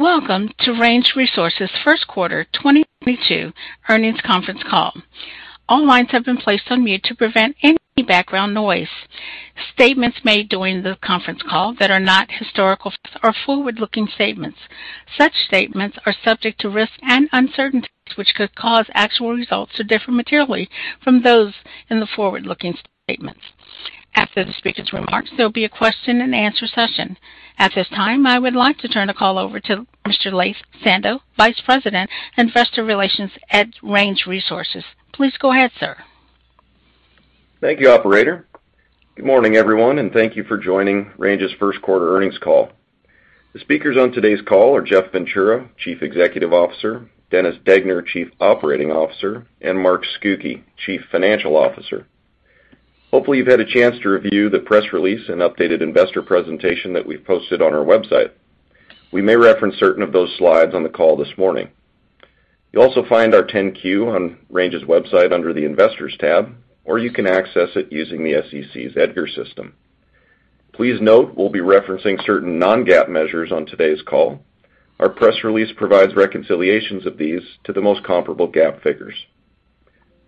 Welcome to Range Resources first quarter 2022 earnings conference call. All lines have been placed on mute to prevent any background noise. Statements made during the conference call that are not historical are forward-looking statements. Such statements are subject to risks and uncertainties, which could cause actual results to differ materially from those in the forward-looking statements. After the speaker's remarks, there'll be a question-and-answer session. At this time, I would like to turn the call over to Mr. Laith Sando, Vice President, Investor Relations at Range Resources. Please go ahead, sir. Thank you, operator. Good morning, everyone, and thank you for joining Range's first quarter earnings call. The speakers on today's call are Jeff Ventura, Chief Executive Officer, Dennis Degner, Chief Operating Officer, and Mark Scucchi, Chief Financial Officer. Hopefully, you've had a chance to review the press release and updated investor presentation that we've posted on our website. We may reference certain of those slides on the call this morning. You'll also find our 10-Q on Range's website under the Investors tab, or you can access it using the SEC's EDGAR system. Please note we'll be referencing certain non-GAAP measures on today's call. Our press release provides reconciliations of these to the most comparable GAAP figures.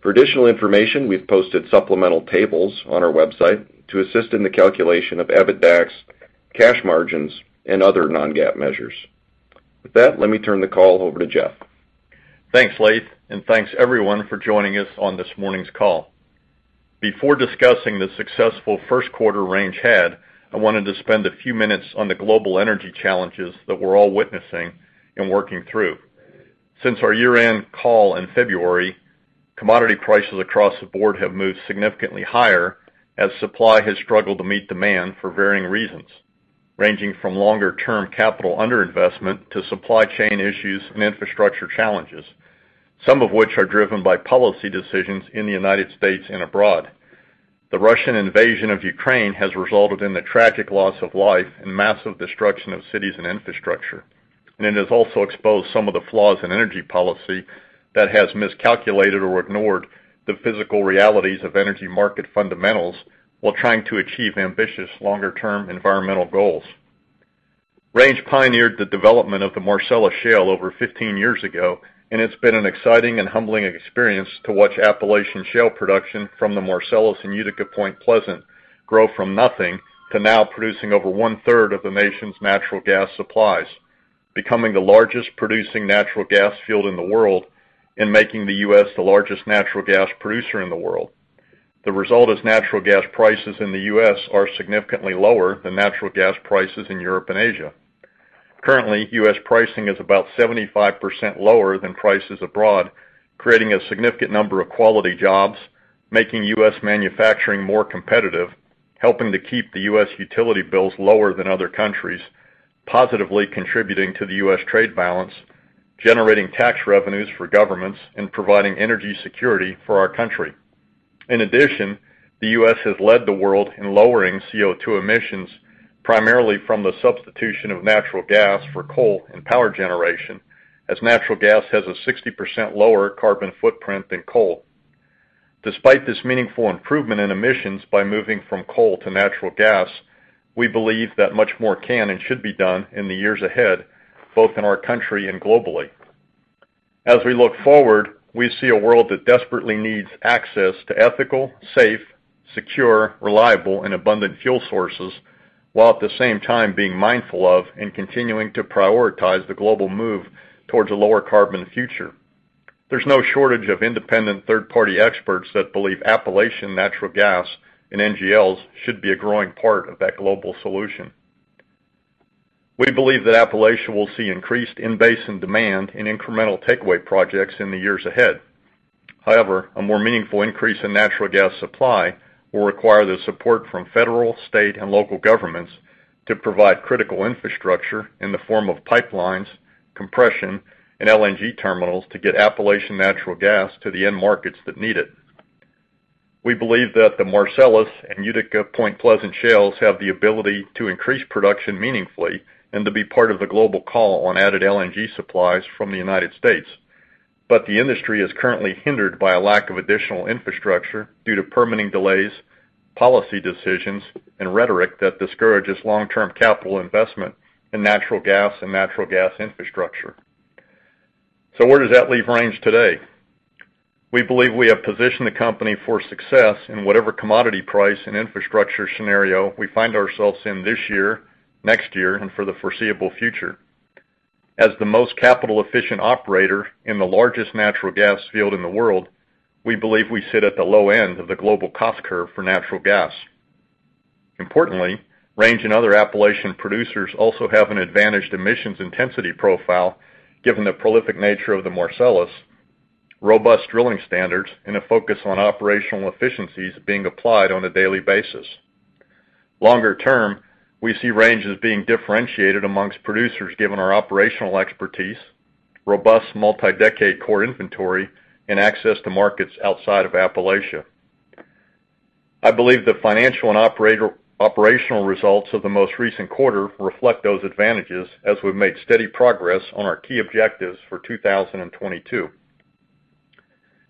For additional information, we've posted supplemental tables on our website to assist in the calculation of EBITDAX, cash margins, and other non-GAAP measures. With that, let me turn the call over to Jeff. Thanks, Laith, and thanks, everyone, for joining us on this morning's call. Before discussing the successful first quarter Range had, I wanted to spend a few minutes on the global energy challenges that we're all witnessing and working through. Since our year-end call in February, commodity prices across the board have moved significantly higher as supply has struggled to meet demand for varying reasons, ranging from longer-term capital underinvestment to supply chain issues and infrastructure challenges, some of which are driven by policy decisions in the United States and abroad. The Russian invasion of Ukraine has resulted in the tragic loss of life and massive destruction of cities and infrastructure, and it has also exposed some of the flaws in energy policy that has miscalculated or ignored the physical realities of energy market fundamentals while trying to achieve ambitious longer-term environmental goals. Range pioneered the development of the Marcellus Shale over 15 years ago, and it's been an exciting and humbling experience to watch Appalachian Shale production from the Marcellus and Utica-Point Pleasant grow from nothing to now producing over 1/3 of the nation's natural gas supplies, becoming the largest producing natural gas field in the world and making the U.S. the largest natural gas producer in the world. The result is natural gas prices in the U.S. are significantly lower than natural gas prices in Europe and Asia. Currently, U.S. pricing is about 75% lower than prices abroad, creating a significant number of quality jobs, making U.S. manufacturing more competitive, helping to keep the U.S. utility bills lower than other countries, positively contributing to the U.S. trade balance, generating tax revenues for governments, and providing energy security for our country. In addition, the U.S. has led the world in lowering CO₂ emissions, primarily from the substitution of natural gas for coal and power generation, as natural gas has a 60% lower carbon footprint than coal. Despite this meaningful improvement in emissions by moving from coal to natural gas, we believe that much more can and should be done in the years ahead, both in our country and globally. As we look forward, we see a world that desperately needs access to ethical, safe, secure, reliable, and abundant fuel sources, while at the same time being mindful of and continuing to prioritize the global move towards a lower carbon future. There's no shortage of independent third-party experts that believe Appalachian natural gas and NGLs should be a growing part of that global solution. We believe that Appalachian will see increased in-basin demand in incremental takeaway projects in the years ahead. However, a more meaningful increase in natural gas supply will require the support from federal, state, and local governments to provide critical infrastructure in the form of pipelines, compression, and LNG terminals to get Appalachian natural gas to the end markets that need it. We believe that the Marcellus and Utica-Point Pleasant Shales have the ability to increase production meaningfully and to be part of the global call on added LNG supplies from the United States. The industry is currently hindered by a lack of additional infrastructure due to permitting delays, policy decisions, and rhetoric that discourages long-term capital investment in natural gas and natural gas infrastructure. Where does that leave Range today? We believe we have positioned the company for success in whatever commodity price and infrastructure scenario we find ourselves in this year, next year, and for the foreseeable future. As the most capital-efficient operator in the largest natural gas field in the world, we believe we sit at the low end of the global cost curve for natural gas. Importantly, Range and other Appalachian producers also have an advantaged emissions intensity profile, given the prolific nature of the Marcellus, robust drilling standards, and a focus on operational efficiencies being applied on a daily basis. Longer term, we see Range as being differentiated amongst producers given our operational expertise, robust multi-decade core inventory, and access to markets outside of Appalachia. I believe the financial and operational results of the most recent quarter reflect those advantages as we've made steady progress on our key objectives for 2022.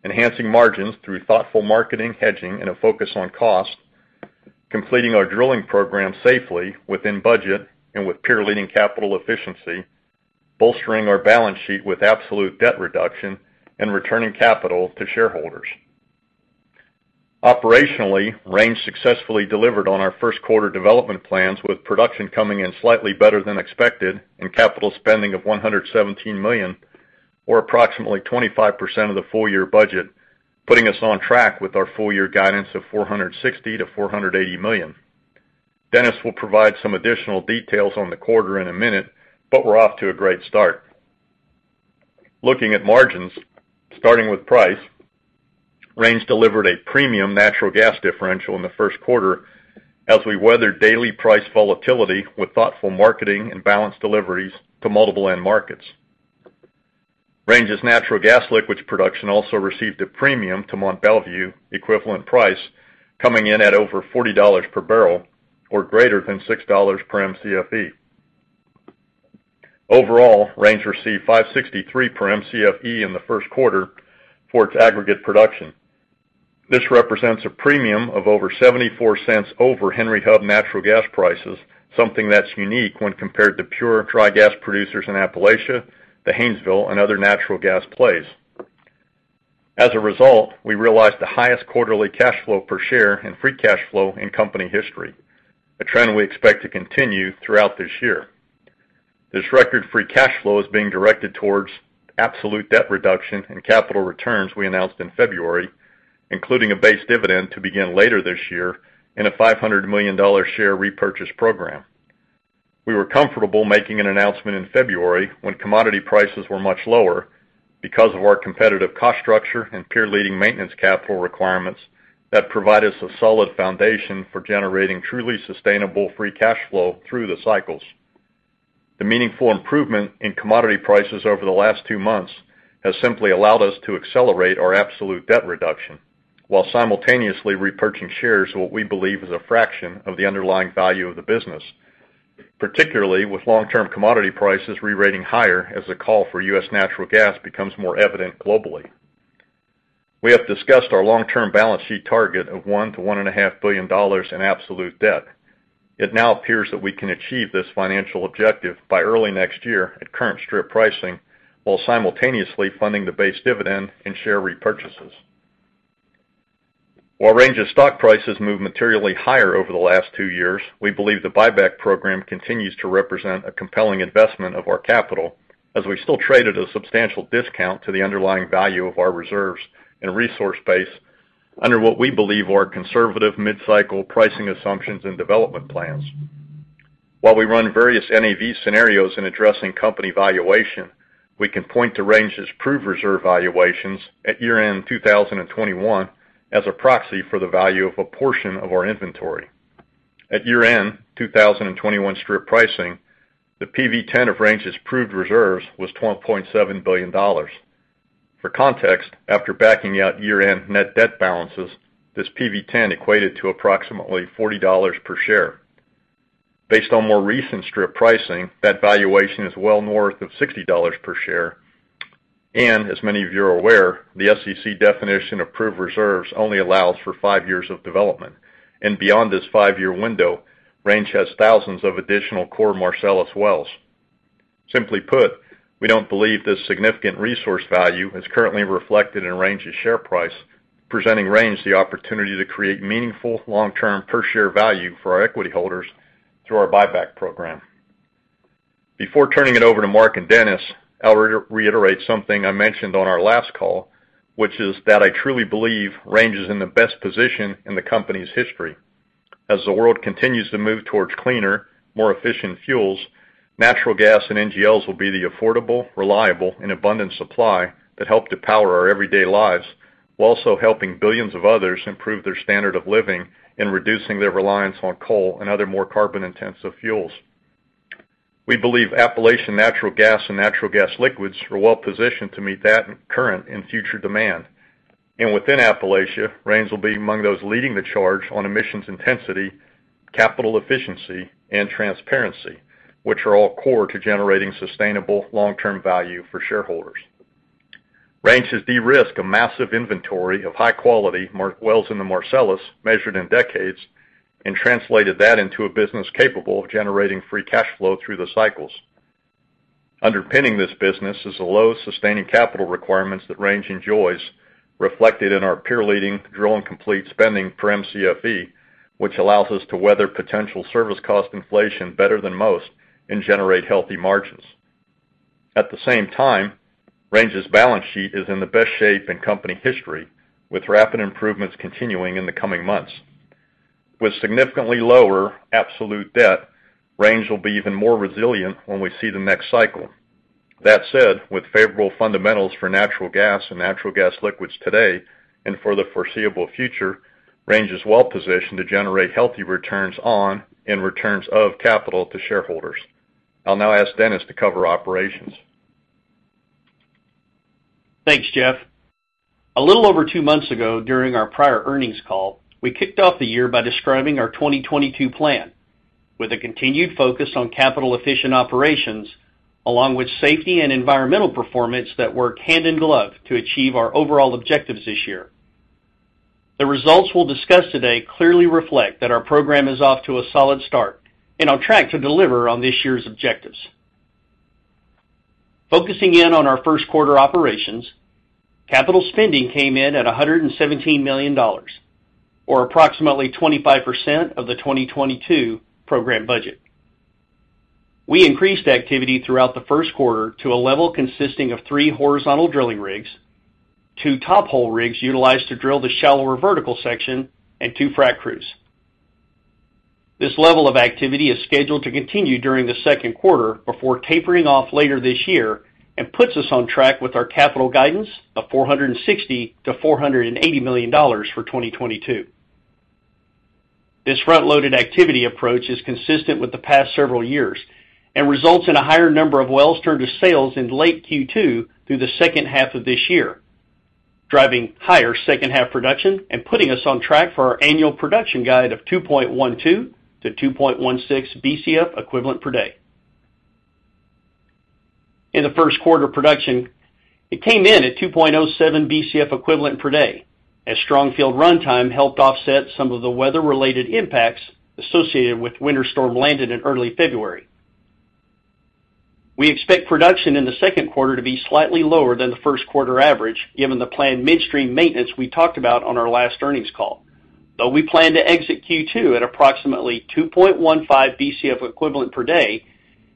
Enhancing margins through thoughtful marketing, hedging, and a focus on cost, completing our drilling program safely within budget and with peer-leading capital efficiency, bolstering our balance sheet with absolute debt reduction, and returning capital to shareholders. Operationally, Range successfully delivered on our first quarter development plans with production coming in slightly better than expected and capital spending of $117 million, or approximately 25% of the full year budget, putting us on track with our full year guidance of $460 million-$480 million. Dennis will provide some additional details on the quarter in a minute, but we're off to a great start. Looking at margins, starting with price, Range delivered a premium natural gas differential in the first quarter as we weathered daily price volatility with thoughtful marketing and balanced deliveries to multiple end markets. Range's natural gas liquids production also received a premium to Mont Belvieu equivalent price coming in at over $40 per bbl or greater than $6 per mcfe. Overall, Range received $5.63 per mcfe in the first quarter for its aggregate production. This represents a premium of over $0.74 over Henry Hub Natural Gas prices, something that's unique when compared to pure dry gas producers in Appalachia, the Haynesville, and other natural gas plays. As a result, we realized the highest quarterly cash flow per share and free cash flow in company history, a trend we expect to continue throughout this year. This record free cash flow is being directed towards absolute debt reduction and capital returns we announced in February, including a base dividend to begin later this year and a $500 million share repurchase program. We were comfortable making an announcement in February when commodity prices were much lower because of our competitive cost structure and peer-leading maintenance capital requirements that provide us a solid foundation for generating truly sustainable free cash flow through the cycles. The meaningful improvement in commodity prices over the last two months has simply allowed us to accelerate our absolute debt reduction while simultaneously repurchasing shares at what we believe is a fraction of the underlying value of the business, particularly with long-term commodity prices rerating higher as the call for U.S. natural gas becomes more evident globally. We have discussed our long-term balance sheet target of $1 billion-$1.5 billion in absolute debt. It now appears that we can achieve this financial objective by early next year at current strip pricing while simultaneously funding the base dividend and share repurchases. While Range's stock price has moved materially higher over the last two years, we believe the buyback program continues to represent a compelling investment of our capital as we still trade at a substantial discount to the underlying value of our reserves and resource base under what we believe are conservative mid-cycle pricing assumptions and development plans. While we run various NAV scenarios in addressing company valuation, we can point to Range's proved reserve valuations at year-end 2021 as a proxy for the value of a portion of our inventory. At year-end 2021 strip pricing, the PV10 of Range's proved reserves was $12.7 billion. For context, after backing out year-end net debt balances, this PV10 equated to approximately $40 per share. Based on more recent strip pricing, that valuation is well north of $60 per share. As many of you are aware, the SEC definition of proved reserves only allows for five years of development. Beyond this five-year window, Range has thousands of additional core Marcellus wells. Simply put, we don't believe this significant resource value is currently reflected in Range's share price, presenting Range the opportunity to create meaningful long-term per share value for our equity holders through our buyback program. Before turning it over to Mark and Dennis, I'll reiterate something I mentioned on our last call, which is that I truly believe Range is in the best position in the company's history. As the world continues to move towards cleaner, more efficient fuels, natural gas and NGLs will be the affordable, reliable, and abundant supply that help to power our everyday lives while also helping billions of others improve their standard of living and reducing their reliance on coal and other more carbon-intensive fuels. We believe Appalachian natural gas and natural gas liquids are well positioned to meet that current and future demand. Within Appalachia, Range will be among those leading the charge on emissions intensity, capital efficiency, and transparency, which are all core to generating sustainable long-term value for shareholders. Range has de-risked a massive inventory of high-quality wells in the Marcellus measured in decades and translated that into a business capable of generating free cash flow through the cycles. Underpinning this business is the low sustaining capital requirements that Range enjoys reflected in our peer-leading drill and complete spending per mcfe, which allows us to weather potential service cost inflation better than most and generate healthy margins. At the same time, Range's balance sheet is in the best shape in company history, with rapid improvements continuing in the coming months. With significantly lower absolute debt, Range will be even more resilient when we see the next cycle. That said, with favorable fundamentals for natural gas and natural gas liquids today and for the foreseeable future, Range is well positioned to generate healthy returns on and returns of capital to shareholders. I'll now ask Dennis to cover operations. Thanks, Jeff. A little over two months ago during our prior earnings call, we kicked off the year by describing our 2022 plan. With a continued focus on capital-efficient operations, along with safety and environmental performance that work hand in glove to achieve our overall objectives this year. The results we'll discuss today clearly reflect that our program is off to a solid start and on track to deliver on this year's objectives. Focusing in on our first quarter operations, capital spending came in at $117 million or approximately 25% of the 2022 program budget. We increased activity throughout the first quarter to a level consisting of three horizontal drilling rigs, two tophole rigs utilized to drill the shallower vertical section, and two frac crews. This level of activity is scheduled to continue during the second quarter before tapering off later this year and puts us on track with our capital guidance of $460 million-$480 million for 2022. This front-loaded activity approach is consistent with the past several years and results in a higher number of wells turned to sales in late Q2 through the second half of this year, driving higher second half production and putting us on track for our annual production guide of 2.12 bcf-2.16 bcf equivalent per day. In the first quarter production, it came in at 2.07 bcf equivalent per day, as strong field runtime helped offset some of the weather-related impacts associated with Winter Storm Landon in early February. We expect production in the second quarter to be slightly lower than the first quarter average, given the planned midstream maintenance we talked about on our last earnings call. Though we plan to exit Q2 at approximately 2.15 bcf equivalent per day,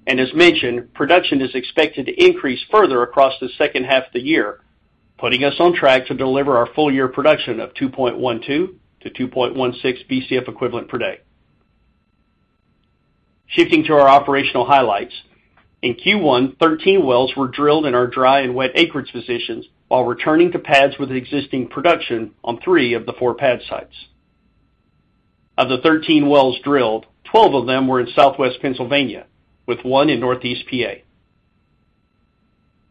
and as mentioned, production is expected to increase further across the second half of the year, putting us on track to deliver our full year production of 2.12 bcf-2.16 bcf equivalent per day. Shifting to our operational highlights. In Q1, 13 wells were drilled in our dry and wet acreage positions while returning to pads with existing production on three of the four pad sites. Of the 13 wells drilled, 12 of them were in Southwest Pennsylvania, with one in Northeast PA.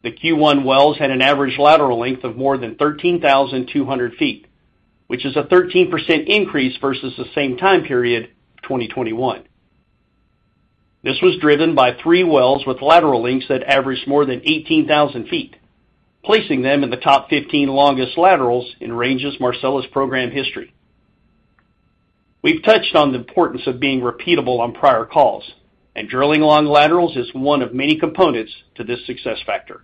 The Q1 wells had an average lateral length of more than 13,200 ft, which is a 13% increase versus the same time period of 2021. This was driven by three wells with lateral lengths that averaged more than 18,000 ft, placing them in the top 15 longest laterals in Range's Marcellus program history. We've touched on the importance of being repeatable on prior calls, and drilling long laterals is one of many components to this success factor.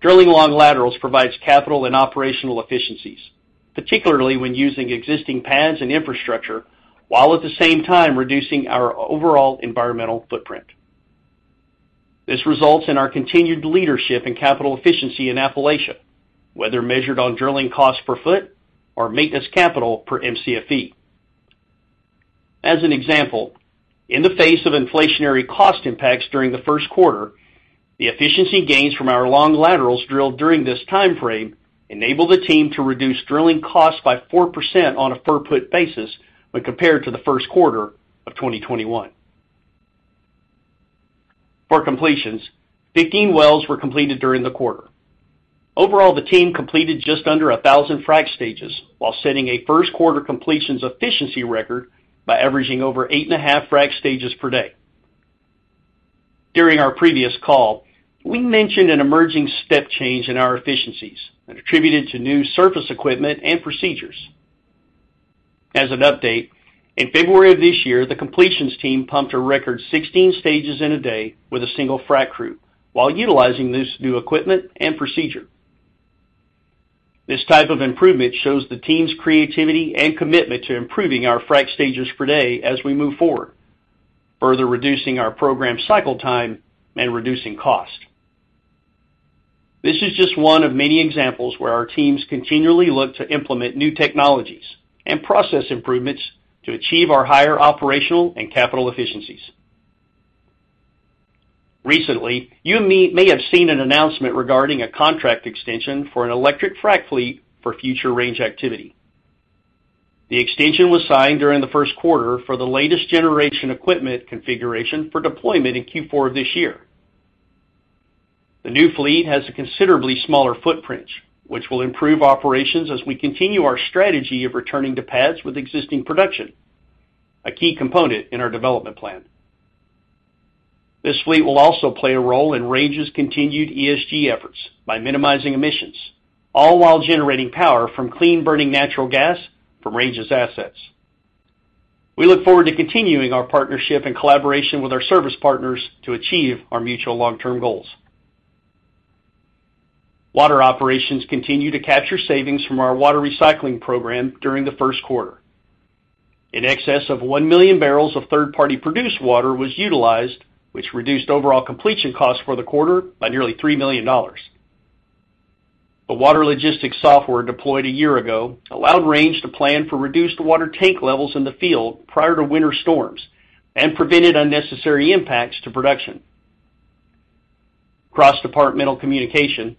Drilling long laterals provides capital and operational efficiencies, particularly when using existing pads and infrastructure, while at the same time reducing our overall environmental footprint. This results in our continued leadership in capital efficiency in Appalachia, whether measured on drilling costs per ft or maintenance capital per mcfe. As an example, in the face of inflationary cost impacts during the first quarter, the efficiency gains from our long laterals drilled during this time frame enabled the team to reduce drilling costs by 4% on a per ft basis when compared to the first quarter of 2021. For completions, 15 wells were completed during the quarter. Overall, the team completed just under 1,000 frac stages while setting a first quarter completions efficiency record by averaging over 8.5 frac stages per day. During our previous call, we mentioned an emerging step change in our efficiencies and attributed to new surface equipment and procedures. As an update, in February of this year, the completions team pumped a record 16 stages in a day with a single frac crew while utilizing this new equipment and procedure. This type of improvement shows the team's creativity and commitment to improving our frac stages per day as we move forward, further reducing our program cycle time and reducing cost. This is just one of many examples where our teams continually look to implement new technologies and process improvements to achieve our higher operational and capital efficiencies. Recently, you may have seen an announcement regarding a contract extension for an electric frac fleet for future Range activity. The extension was signed during the first quarter for the latest generation equipment configuration for deployment in Q4 of this year. The new fleet has a considerably smaller footprint, which will improve operations as we continue our strategy of returning to pads with existing production, a key component in our development plan. This fleet will also play a role in Range's continued ESG efforts by minimizing emissions, all while generating power from clean burning natural gas from Range's assets. We look forward to continuing our partnership and collaboration with our service partners to achieve our mutual long-term goals. Water operations continue to capture savings from our water recycling program during the first quarter. In excess of 1 million bbl of third-party produced water was utilized, which reduced overall completion costs for the quarter by nearly $3 million. The water logistics software deployed a year ago allowed Range to plan for reduced water tank levels in the field prior to winter storms and prevented unnecessary impacts to production. Cross-departmental communication,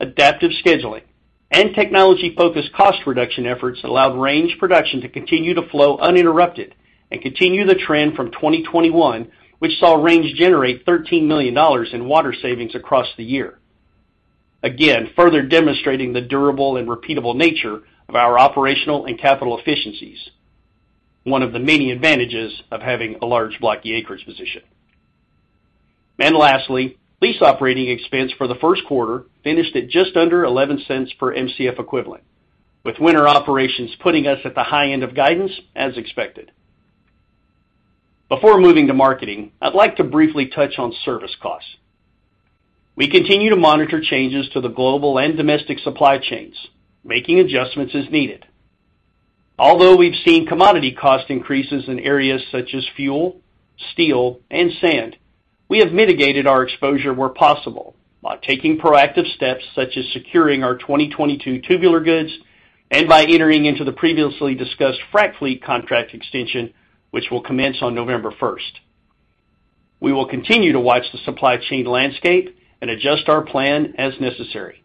adaptive scheduling, and technology-focused cost reduction efforts allowed Range production to continue to flow uninterrupted and continue the trend from 2021, which saw Range generate $13 million in water savings across the year. Again, further demonstrating the durable and repeatable nature of our operational and capital efficiencies, one of the many advantages of having a large blocky acreage position. Lastly, lease operating expense for the first quarter finished at just under $0.11 per mcfe, with winter operations putting us at the high end of guidance as expected. Before moving to marketing, I'd like to briefly touch on service costs. We continue to monitor changes to the global and domestic supply chains, making adjustments as needed. Although we've seen commodity cost increases in areas such as fuel, steel, and sand, we have mitigated our exposure where possible by taking proactive steps such as securing our 2022 tubular goods and by entering into the previously discussed frac fleet contract extension, which will commence on November 1st. We will continue to watch the supply chain landscape and adjust our plan as necessary.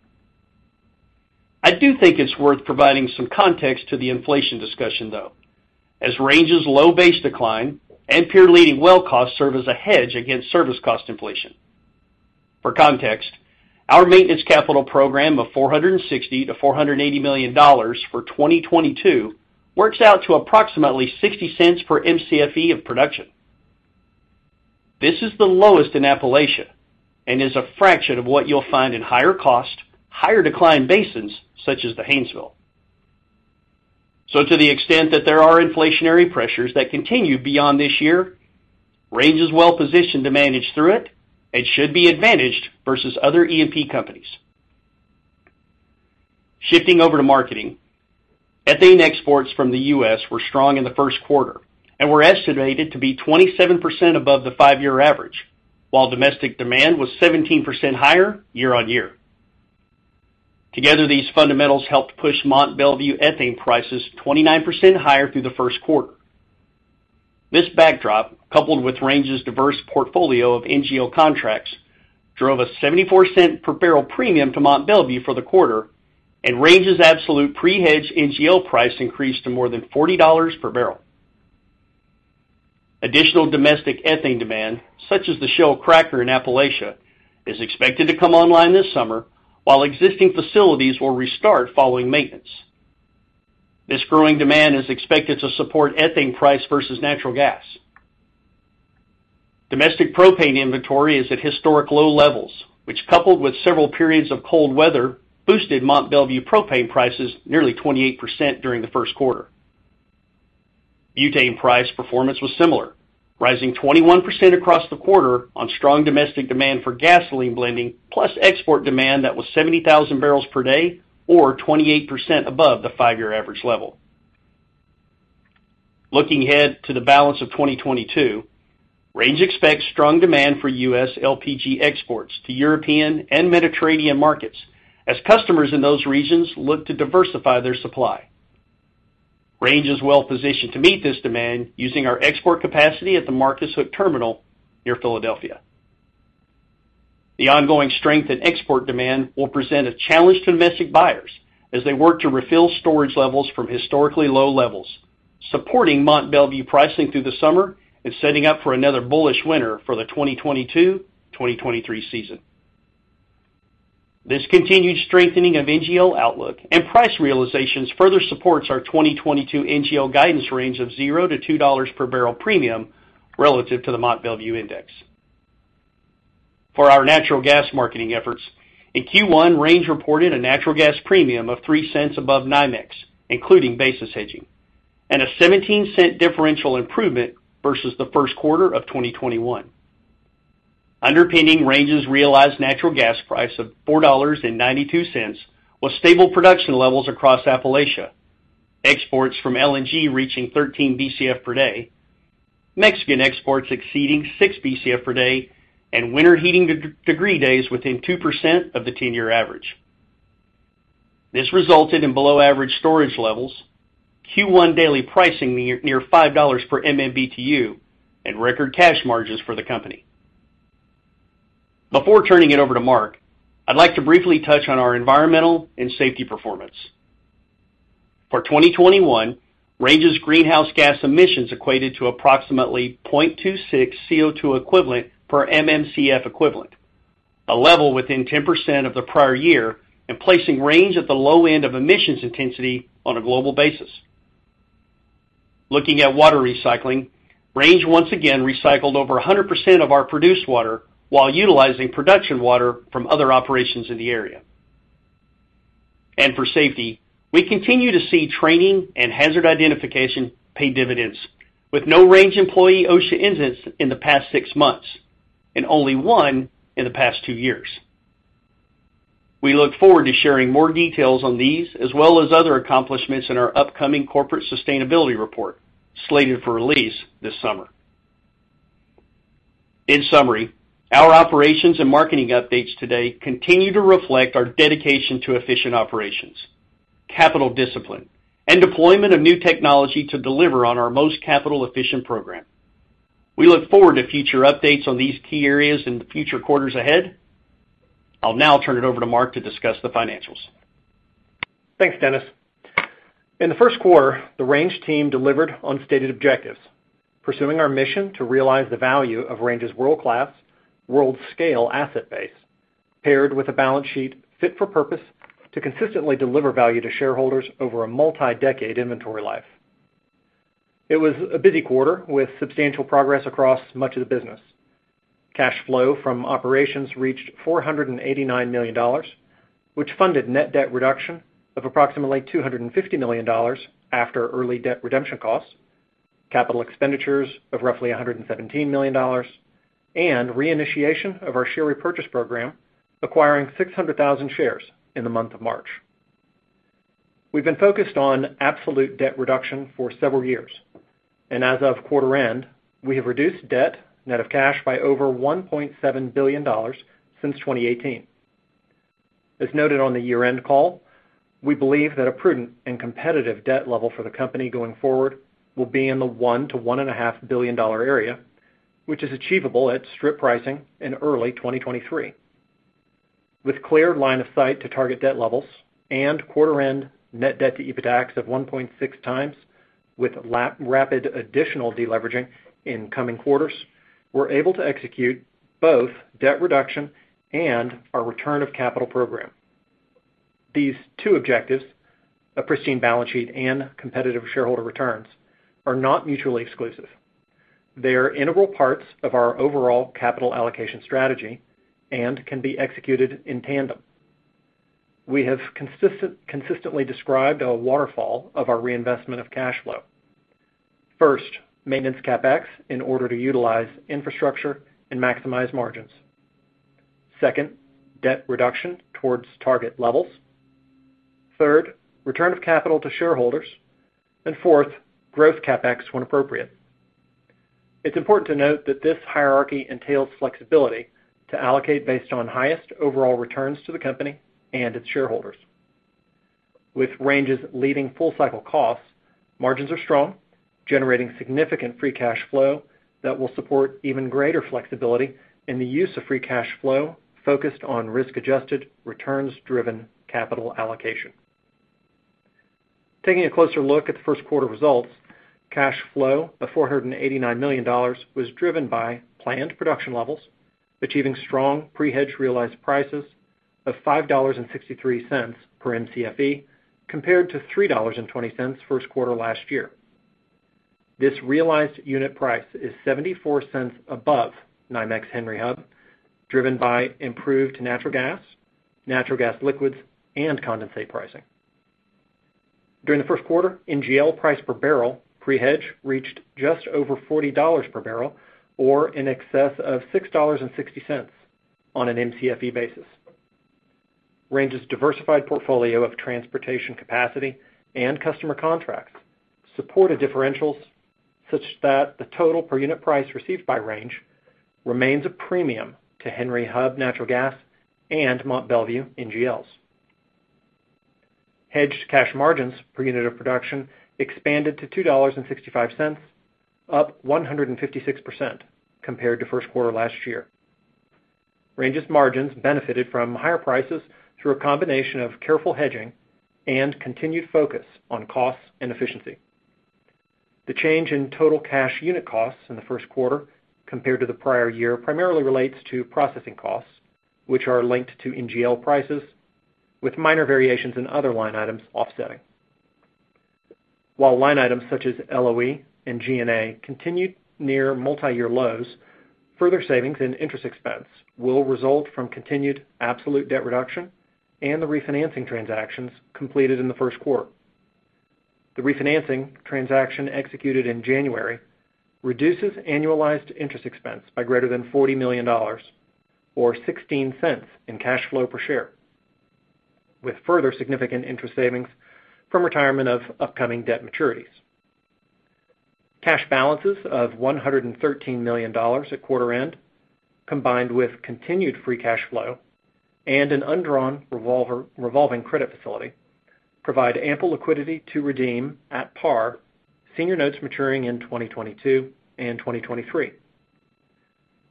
I do think it's worth providing some context to the inflation discussion, though, as Range's low base decline and peer-leading well costs serve as a hedge against service cost inflation. For context, our maintenance capital program of $460 million-$480 million for 2022 works out to approximately $0.60 per mcfe of production. This is the lowest in Appalachia, and is a fraction of what you'll find in higher cost, higher decline basins such as the Haynesville. To the extent that there are inflationary pressures that continue beyond this year, Range is well positioned to manage through it and should be advantaged versus other E&P companies. Shifting over to marketing, ethane exports from the U.S. were strong in the first quarter and were estimated to be 27% above the five-year average, while domestic demand was 17% higher year-on-year. Together, these fundamentals helped push Mont Belvieu ethane prices 29% higher through the first quarter. This backdrop, coupled with Range's diverse portfolio of NGL contracts, drove a $0.74 per bbl premium to Mont Belvieu for the quarter, and Range's absolute pre-hedge NGL price increased to more than $40 per bbl. Additional domestic ethane demand, such as the Shell cracker in Appalachia, is expected to come online this summer, while existing facilities will restart following maintenance. This growing demand is expected to support ethane price versus natural gas. Domestic propane inventory is at historic low levels, which, coupled with several periods of cold weather, boosted Mont Belvieu propane prices nearly 28% during the first quarter. Butane price performance was similar, rising 21% across the quarter on strong domestic demand for gasoline blending, plus export demand that was 70,000 bbl per day or 28% above the five-year average level. Looking ahead to the balance of 2022, Range expects strong demand for U.S. LPG exports to European and Mediterranean markets as customers in those regions look to diversify their supply. Range is well positioned to meet this demand using our export capacity at the Marcus Hook terminal near Philadelphia. The ongoing strength in export demand will present a challenge to domestic buyers as they work to refill storage levels from historically low levels, supporting Mont Belvieu pricing through the summer and setting up for another bullish winter for the 2022-2023 season. This continued strengthening of NGL outlook and price realizations further supports our 2022 NGL guidance range of $0-$2 per bbl premium relative to the Mont Belvieu index. For our natural gas marketing efforts, in Q1, Range reported a natural gas premium of $0.03 above NYMEX, including basis hedging, and a $0.17 differential improvement versus the first quarter of 2021. Underpinning Range's realized natural gas price of $4.92 was stable production levels across Appalachia. Exports from LNG reaching 13 bcf per day, Mexican exports exceeding 6 bcf per day, and winter heating degree days within 2% of the 10-year average. This resulted in below average storage levels, Q1 daily pricing near $5 per MMBtu, and record cash margins for the company. Before turning it over to Mark, I'd like to briefly touch on our environmental and safety performance. For 2021, Range's greenhouse gas emissions equated to approximately 0.26 CO₂ equivalent per MMcfe, a level within 10% of the prior year, and placing Range at the low end of emissions intensity on a global basis. Looking at water recycling, Range once again recycled over 100% of our produced water while utilizing produced water from other operations in the area. For safety, we continue to see training and hazard identification pay dividends with no Range employee OSHA incidents in the past six months and only one in the past two years. We look forward to sharing more details on these as well as other accomplishments in our upcoming corporate sustainability report, slated for release this summer. In summary, our operations and marketing updates today continue to reflect our dedication to efficient operations, capital discipline, and deployment of new technology to deliver on our most capital-efficient program. We look forward to future updates on these key areas in the future quarters ahead. I'll now turn it over to Mark to discuss the financials. Thanks, Dennis. In the first quarter, the Range team delivered on stated objectives, pursuing our mission to realize the value of Range's world-class, world-scale asset base, paired with a balance sheet fit for purpose to consistently deliver value to shareholders over a multi-decade inventory life. It was a busy quarter, with substantial progress across much of the business. Cash flow from operations reached $489 million, which funded net debt reduction of approximately $250 million after early debt redemption costs, capital expenditures of roughly $117 million, and reinitiation of our share repurchase program, acquiring 600,000 shares in the month of March. We've been focused on absolute debt reduction for several years, and as of quarter end, we have reduced debt net of cash by over $1.7 billion since 2018. As noted on the year-end call, we believe that a prudent and competitive debt level for the company going forward will be in the $1 billion-$1.5 billion area, which is achievable at strip pricing in early 2023. With clear line of sight to target debt levels and quarter-end net debt to EBITDAX of 1.6x with rapid additional deleveraging in coming quarters, we're able to execute both debt reduction and our return of capital program. These two objectives, a pristine balance sheet and competitive shareholder returns, are not mutually exclusive. They are integral parts of our overall capital allocation strategy and can be executed in tandem. We have consistently described a waterfall of our reinvestment of cash flow. First, maintenance CapEx in order to utilize infrastructure and maximize margins. Second, debt reduction towards target levels. Third, return of capital to shareholders. Fourth, growth CapEx when appropriate. It's important to note that this hierarchy entails flexibility to allocate based on highest overall returns to the company and its shareholders. With Range's leading full-cycle costs, margins are strong, generating significant free cash flow that will support even greater flexibility in the use of free cash flow focused on risk-adjusted, returns-driven capital allocation. Taking a closer look at the first quarter results, cash flow of $489 million was driven by planned production levels, achieving strong pre-hedge realized prices of $5.63 per mcfe, compared to $3.20 first quarter last year. This realized unit price is $0.74 above NYMEX Henry Hub, driven by improved natural gas, natural gas liquids, and condensate pricing. During the first quarter, NGL price per bbl pre-hedge reached just over $40 per bbl, or in excess of $6.60 on an mcfe basis. Range's diversified portfolio of transportation capacity and customer contracts supported differentials such that the total per unit price received by Range remains a premium to Henry Hub Natural Gas and Mont Belvieu NGLs. Hedged cash margins per unit of production expanded to $2.65, up 156% compared to first quarter last year. Range's margins benefited from higher prices through a combination of careful hedging and continued focus on costs and efficiency. The change in total cash unit costs in the first quarter compared to the prior year primarily relates to processing costs, which are linked to NGL prices, with minor variations in other line items offsetting. While line items such as LOE and G&A continued near multiyear lows, further savings in interest expense will result from continued absolute debt reduction and the refinancing transactions completed in the first quarter. The refinancing transaction executed in January reduces annualized interest expense by greater than $40 million, or $0.16 In cash flow per share, with further significant interest savings from retirement of upcoming debt maturities. Cash balances of $113 million at quarter end, combined with continued free cash flow and an undrawn revolving credit facility, provide ample liquidity to redeem at par senior notes maturing in 2022 and 2023.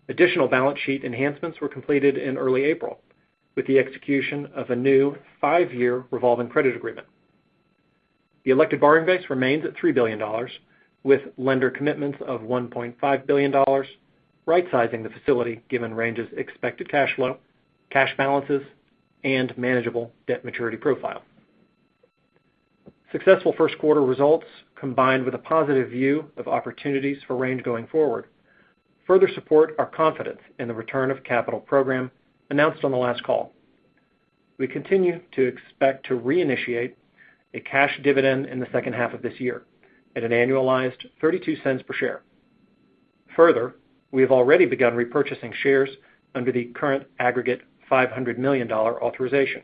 Additional balance sheet enhancements were completed in early April with the execution of a new five-year revolving credit agreement. The elected borrowing base remains at $3 billion with lender commitments of $1.5 billion, rightsizing the facility given Range's expected cash flow, cash balances, and manageable debt maturity profile. Successful first quarter results combined with a positive view of opportunities for Range going forward further support our confidence in the return of capital program announced on the last call. We continue to expect to reinitiate a cash dividend in the second half of this year at an annualized $0.32 per share. Further, we have already begun repurchasing shares under the current aggregate $500 million authorization.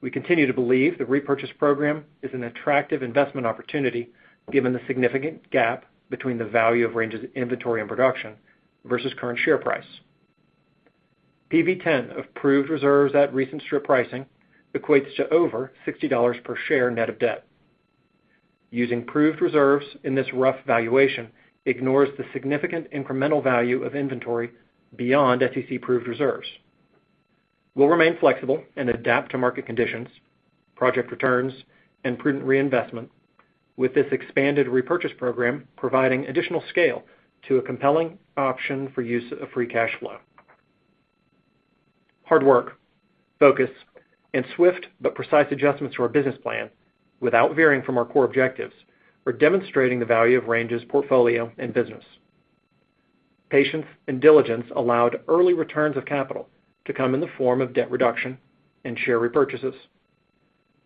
We continue to believe the repurchase program is an attractive investment opportunity given the significant gap between the value of Range's inventory and production versus current share price. PV10 of proved reserves at recent strip pricing equates to over $60 per share net of debt. Using proved reserves in this rough valuation ignores the significant incremental value of inventory beyond SEC proved reserves. We'll remain flexible and adapt to market conditions, project returns, and prudent reinvestment with this expanded repurchase program providing additional scale to a compelling option for use of free cash flow. Hard work, focus, and swift but precise adjustments to our business plan without varying from our core objectives are demonstrating the value of Range's portfolio and business. Patience and diligence allowed early returns of capital to come in the form of debt reduction and share repurchases.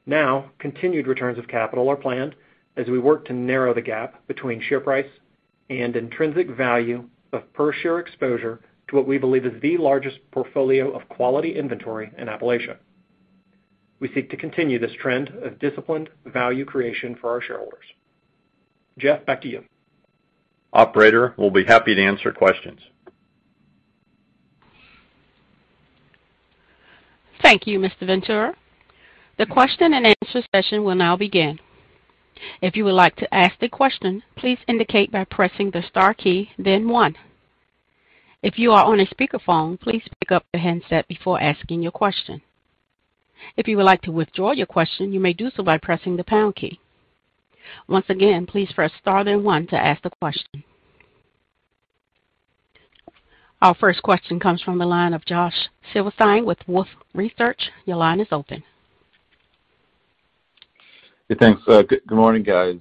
Now, continued returns of capital are planned as we work to narrow the gap between share price and intrinsic value of per share exposure to what we believe is the largest portfolio of quality inventory in Appalachia. We seek to continue this trend of disciplined value creation for our shareholders. Jeff, back to you. Operator, we'll be happy to answer questions. Thank you, Mr. Ventura. The question and answer session will now begin. If you would like to ask the question, please indicate by pressing the star key, then one. If you are on a speakerphone, please pick up the handset before asking your question. If you would like to withdraw your question, you may do so by pressing the pound key. Once again, please press star then one to ask the question. Our first question comes from the line of Josh Silverstein with Wolfe Research. Your line is open. Yeah, thanks. Good morning, guys.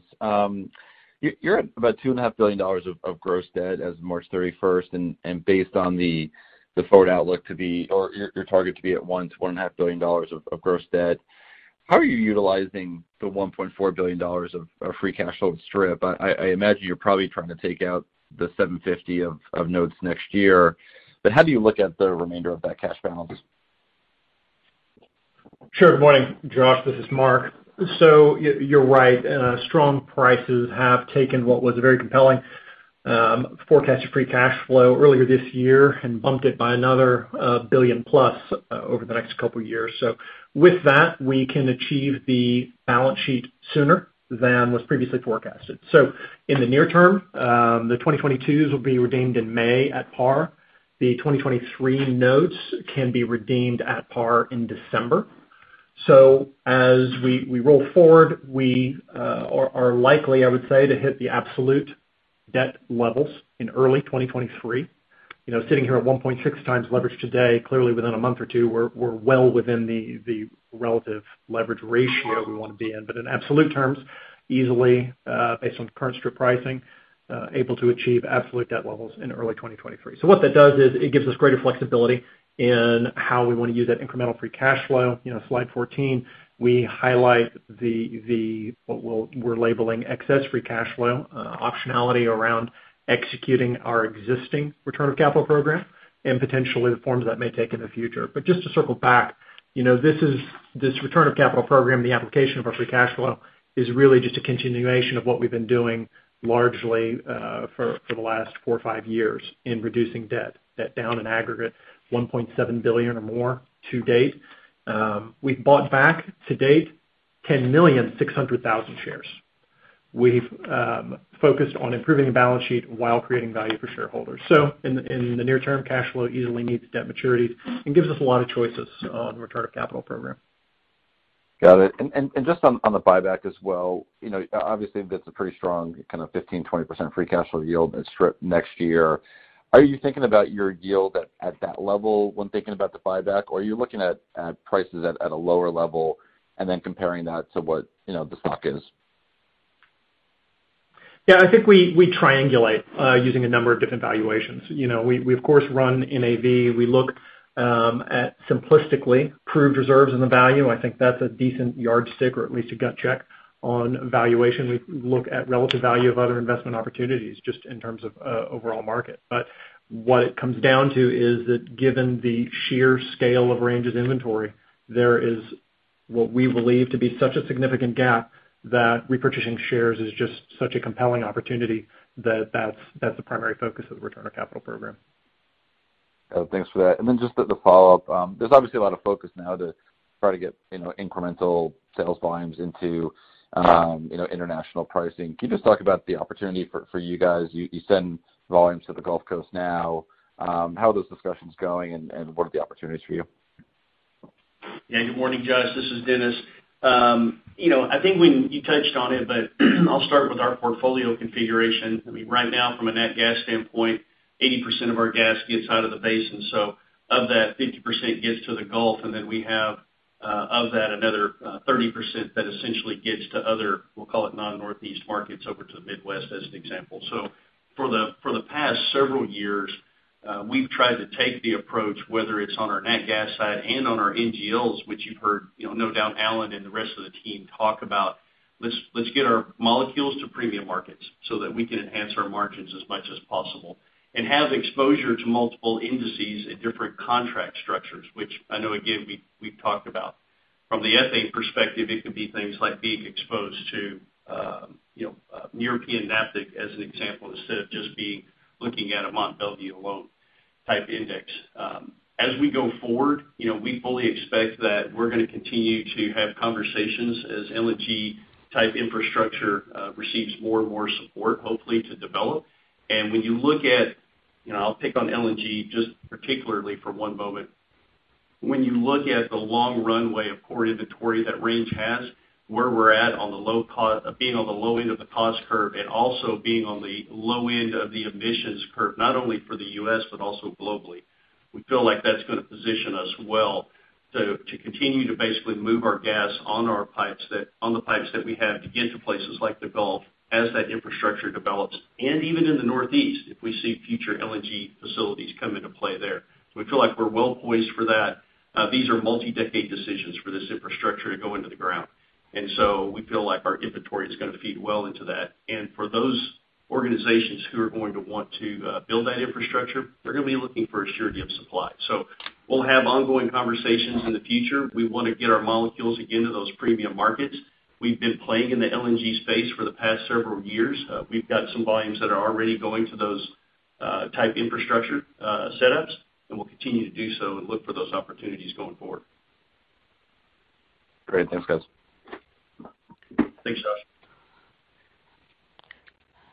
You're at about $2.5 billion of gross debt as of March 31st, and based on the forward outlook to be or your target to be at $1 billion-$1.5 billion of gross debt, how are you utilizing the $1.4 billion of free cash flow to repay? I imagine you're probably trying to take out the $750 million of notes next year, but how do you look at the remainder of that cash balance? Good morning, Josh. This is Mark. You're right. Strong prices have taken what was a very compelling forecast for free cash flow earlier this year and bumped it by another $1 billion+ over the next couple of years. With that, we can achieve the balance sheet sooner than was previously forecasted. In the near term, the 2022s will be redeemed in May at par. The 2023 notes can be redeemed at par in December. As we roll forward, we are likely, I would say, to hit the absolute debt levels in early 2023. You know, sitting here at 1.6x leverage today, clearly within a month or two, we're well within the relative leverage ratio we wanna be in. In absolute terms, easily, based on current strip pricing, able to achieve absolute debt levels in early 2023. What that does is it gives us greater flexibility in how we wanna use that incremental free cash flow. Slide 14, we highlight what we're labeling excess free cash flow, optionality around executing our existing return of capital program and potentially the forms that may take in the future. Just to circle back, this return of capital program, the application of our free cash flow is really just a continuation of what we've been doing largely, for the last four or five years in reducing debt. Debt down in aggregate $1.7 billion or more to date. We've bought back to date 10.6 million shares. We've focused on improving the balance sheet while creating value for shareholders. In the near term, cash flow easily meets debt maturities and gives us a lot of choices on return of capital program. Got it. Just on the buyback as well, you know, obviously, that's a pretty strong kind of 15%-20% free cash flow yield in strip next year. Are you thinking about your yield at that level when thinking about the buyback, or are you looking at prices at a lower level and then comparing that to what, you know, the stock is? Yeah, I think we triangulate using a number of different valuations. You know, we of course run NAV. We look at simplistically proved reserves in the value. I think that's a decent yardstick or at least a gut check on valuation. We look at relative value of other investment opportunities just in terms of overall market. What it comes down to is that given the sheer scale of Range's inventory, there is what we believe to be such a significant gap that repurchasing shares is just such a compelling opportunity that that's the primary focus of the return of capital program. Oh, thanks for that. Just the follow-up. There's obviously a lot of focus now to try to get, you know, incremental sales volumes into, you know, international pricing. Can you just talk about the opportunity for you guys? You send volumes to the Gulf Coast now. How are those discussions going, and what are the opportunities for you? Yeah. Good morning, Josh. This is Dennis. You know, I think when you touched on it, but I'll start with our portfolio configuration. I mean, right now, from a nat gas standpoint, 80% of our gas gets out of the basin. Of that, 50% gets to the Gulf, and then we have of that, another 30% that essentially gets to other, we'll call it non-Northeast markets over to the Midwest, as an example. For the past several years, we've tried to take the approach, whether it's on our nat gas side and on our NGLs, which you've heard, you know, no doubt Alan and the rest of the team talk about, let's get our molecules to premium markets so that we can enhance our margins as much as possible and have exposure to multiple indices and different contract structures, which I know again, we've talked about. From the ethane perspective, it could be things like being exposed to, you know, European Naphtha as an example, instead of just looking at a Mont Belvieu alone type index. As we go forward, you know, we fully expect that we're gonna continue to have conversations as LNG type infrastructure receives more and more support, hopefully to develop. When you look at, you know, I'll pick on LNG just particularly for one moment. When you look at the long runway of core inventory that Range has, where we're at on the low cost, being on the low end of the cost curve and also being on the low end of the emissions curve, not only for the U.S., but also globally, we feel like that's gonna position us well to continue to basically move our gas on the pipes that we have to get to places like the Gulf as that infrastructure develops. Even in the Northeast, if we see future LNG facilities come into play there. We feel like we're well poised for that. These are multi-decade decisions for this infrastructure to go into the ground. We feel like our inventory is gonna feed well into that. For those organizations who are going to want to build that infrastructure, they're gonna be looking for a surety of supply. We'll have ongoing conversations in the future. We wanna get our molecules again to those premium markets. We've been playing in the LNG space for the past several years. We've got some volumes that are already going to those type infrastructure setups, and we'll continue to do so and look for those opportunities going forward. Great. Thanks, guys. Thanks, Josh.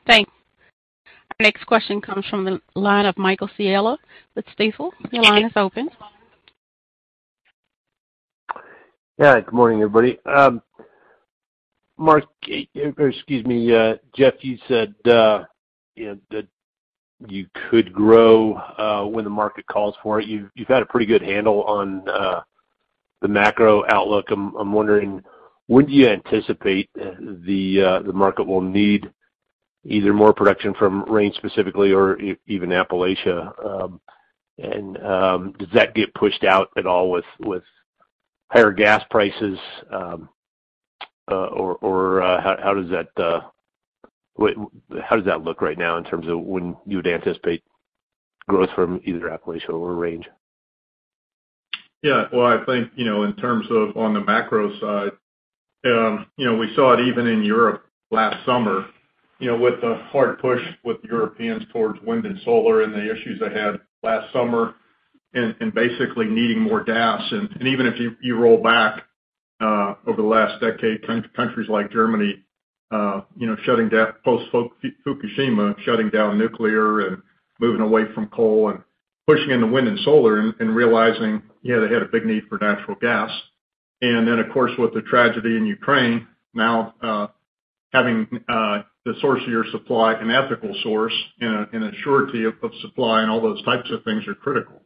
Thanks. Our next question comes from the line of Michael Scialla with Stifel. Your line is open. Yeah. Good morning, everybody. Mark, excuse me, Jeff, you said, you know, that you could grow when the market calls for it. You've had a pretty good handle on the macro outlook. I'm wondering, when do you anticipate the market will need either more production from Range specifically or even Appalachia? Does that get pushed out at all with higher gas prices? How does that look right now in terms of when you would anticipate growth from either Appalachia or Range? Yeah. Well, I think, you know, in terms of on the macro side, you know, we saw it even in Europe last summer, you know, with the hard push with Europeans towards wind and solar and the issues they had last summer and basically needing more gas. And even if you roll back over the last decade, countries like Germany, you know, shutting down post Fukushima, shutting down nuclear and moving away from coal and pushing into wind and solar and realizing, you know, they had a big need for natural gas. And then, of course, with the tragedy in Ukraine, now having the source of your supply, an ethical source and a surety of supply and all those types of things are critical.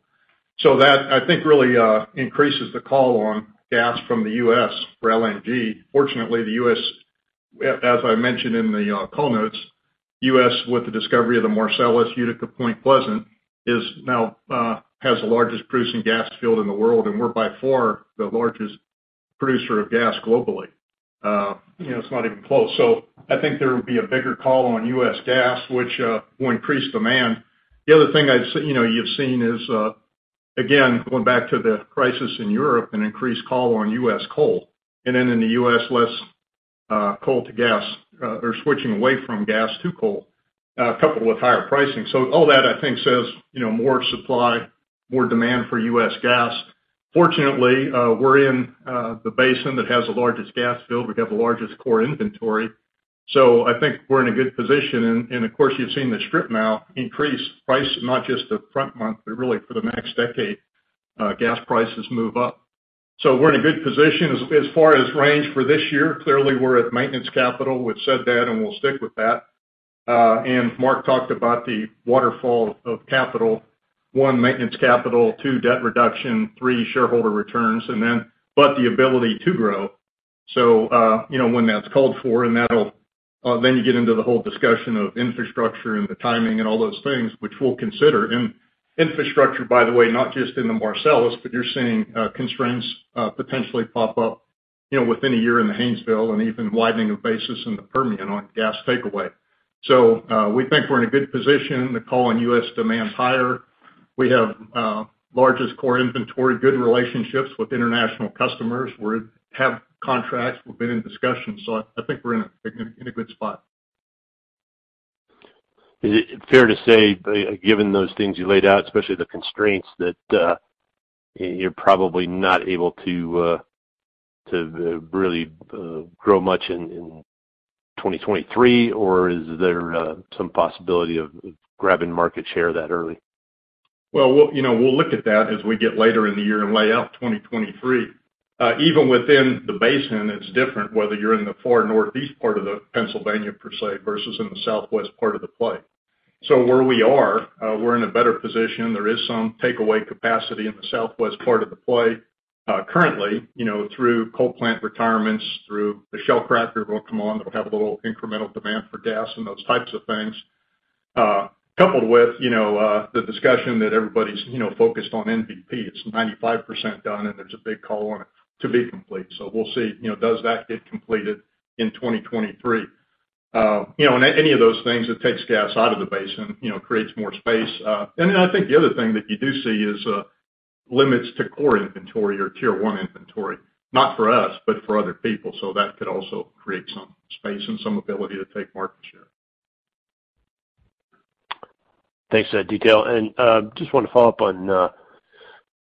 That, I think, really increases the call on gas from the U.S. for LNG. Fortunately, the U.S., as I mentioned in the call notes, with the discovery of the Marcellus, Utica-Point Pleasant, is now has the largest producing gas field in the world, and we're by far the largest producer of gas globally. You know, it's not even close. I think there would be a bigger call on U.S. gas, which will increase demand. The other thing, you know, you've seen is, again, going back to the crisis in Europe, an increased call on U.S. coal. In the U.S., less coal to gas or switching away from gas to coal, coupled with higher pricing. All that I think says, you know, more supply, more demand for U.S. gas. Fortunately, we're in the basin that has the largest gas field. We have the largest core inventory. I think we're in a good position. Of course, you've seen the strip now increase price, not just the front month, but really for the next decade, gas prices move up. We're in a good position. As far as Range for this year, clearly we're at maintenance capital. We've said that, and we'll stick with that. Mark talked about the waterfall of capital. One, maintenance capital, two, debt reduction, three, shareholder returns, and then, but the ability to grow. You know, when that's called for, and that'll, then you get into the whole discussion of infrastructure and the timing and all those things, which we'll consider. Infrastructure, by the way, not just in the Marcellus, but you're seeing constraints potentially pop up, you know, within a year in the Haynesville and even widening of basis in the Permian on gas takeaway. We think we're in a good position. The call on U.S. demand is higher. We have largest core inventory, good relationships with international customers. We have contracts. We've been in discussions, so I think we're in a good spot. Is it fair to say, given those things you laid out, especially the constraints, that you're probably not able to really grow much in 2023? Or is there some possibility of grabbing market share that early? Well, we'll look at that as we get later in the year and lay out 2023. Even within the basin, it's different whether you're in the far northeast part of Pennsylvania per se, versus in the southwest part of the play. Where we are, we're in a better position. There is some takeaway capacity in the southwest part of the play currently, you know, through coal plant retirements, through the Shell cracker will come on. It'll have a little incremental demand for gas and those types of things. Coupled with, you know, the discussion that everybody's, you know, focused on MVP. It's 95% done, and there's a big call on it to be complete. We'll see. You know, does that get completed in 2023? You know, any of those things that takes gas out of the basin, you know, creates more space. I think the other thing that you do see is limits to core inventory or tier one inventory. Not for us, but for other people. That could also create some space and some ability to take market share. Thanks for that detail. Just want to follow up on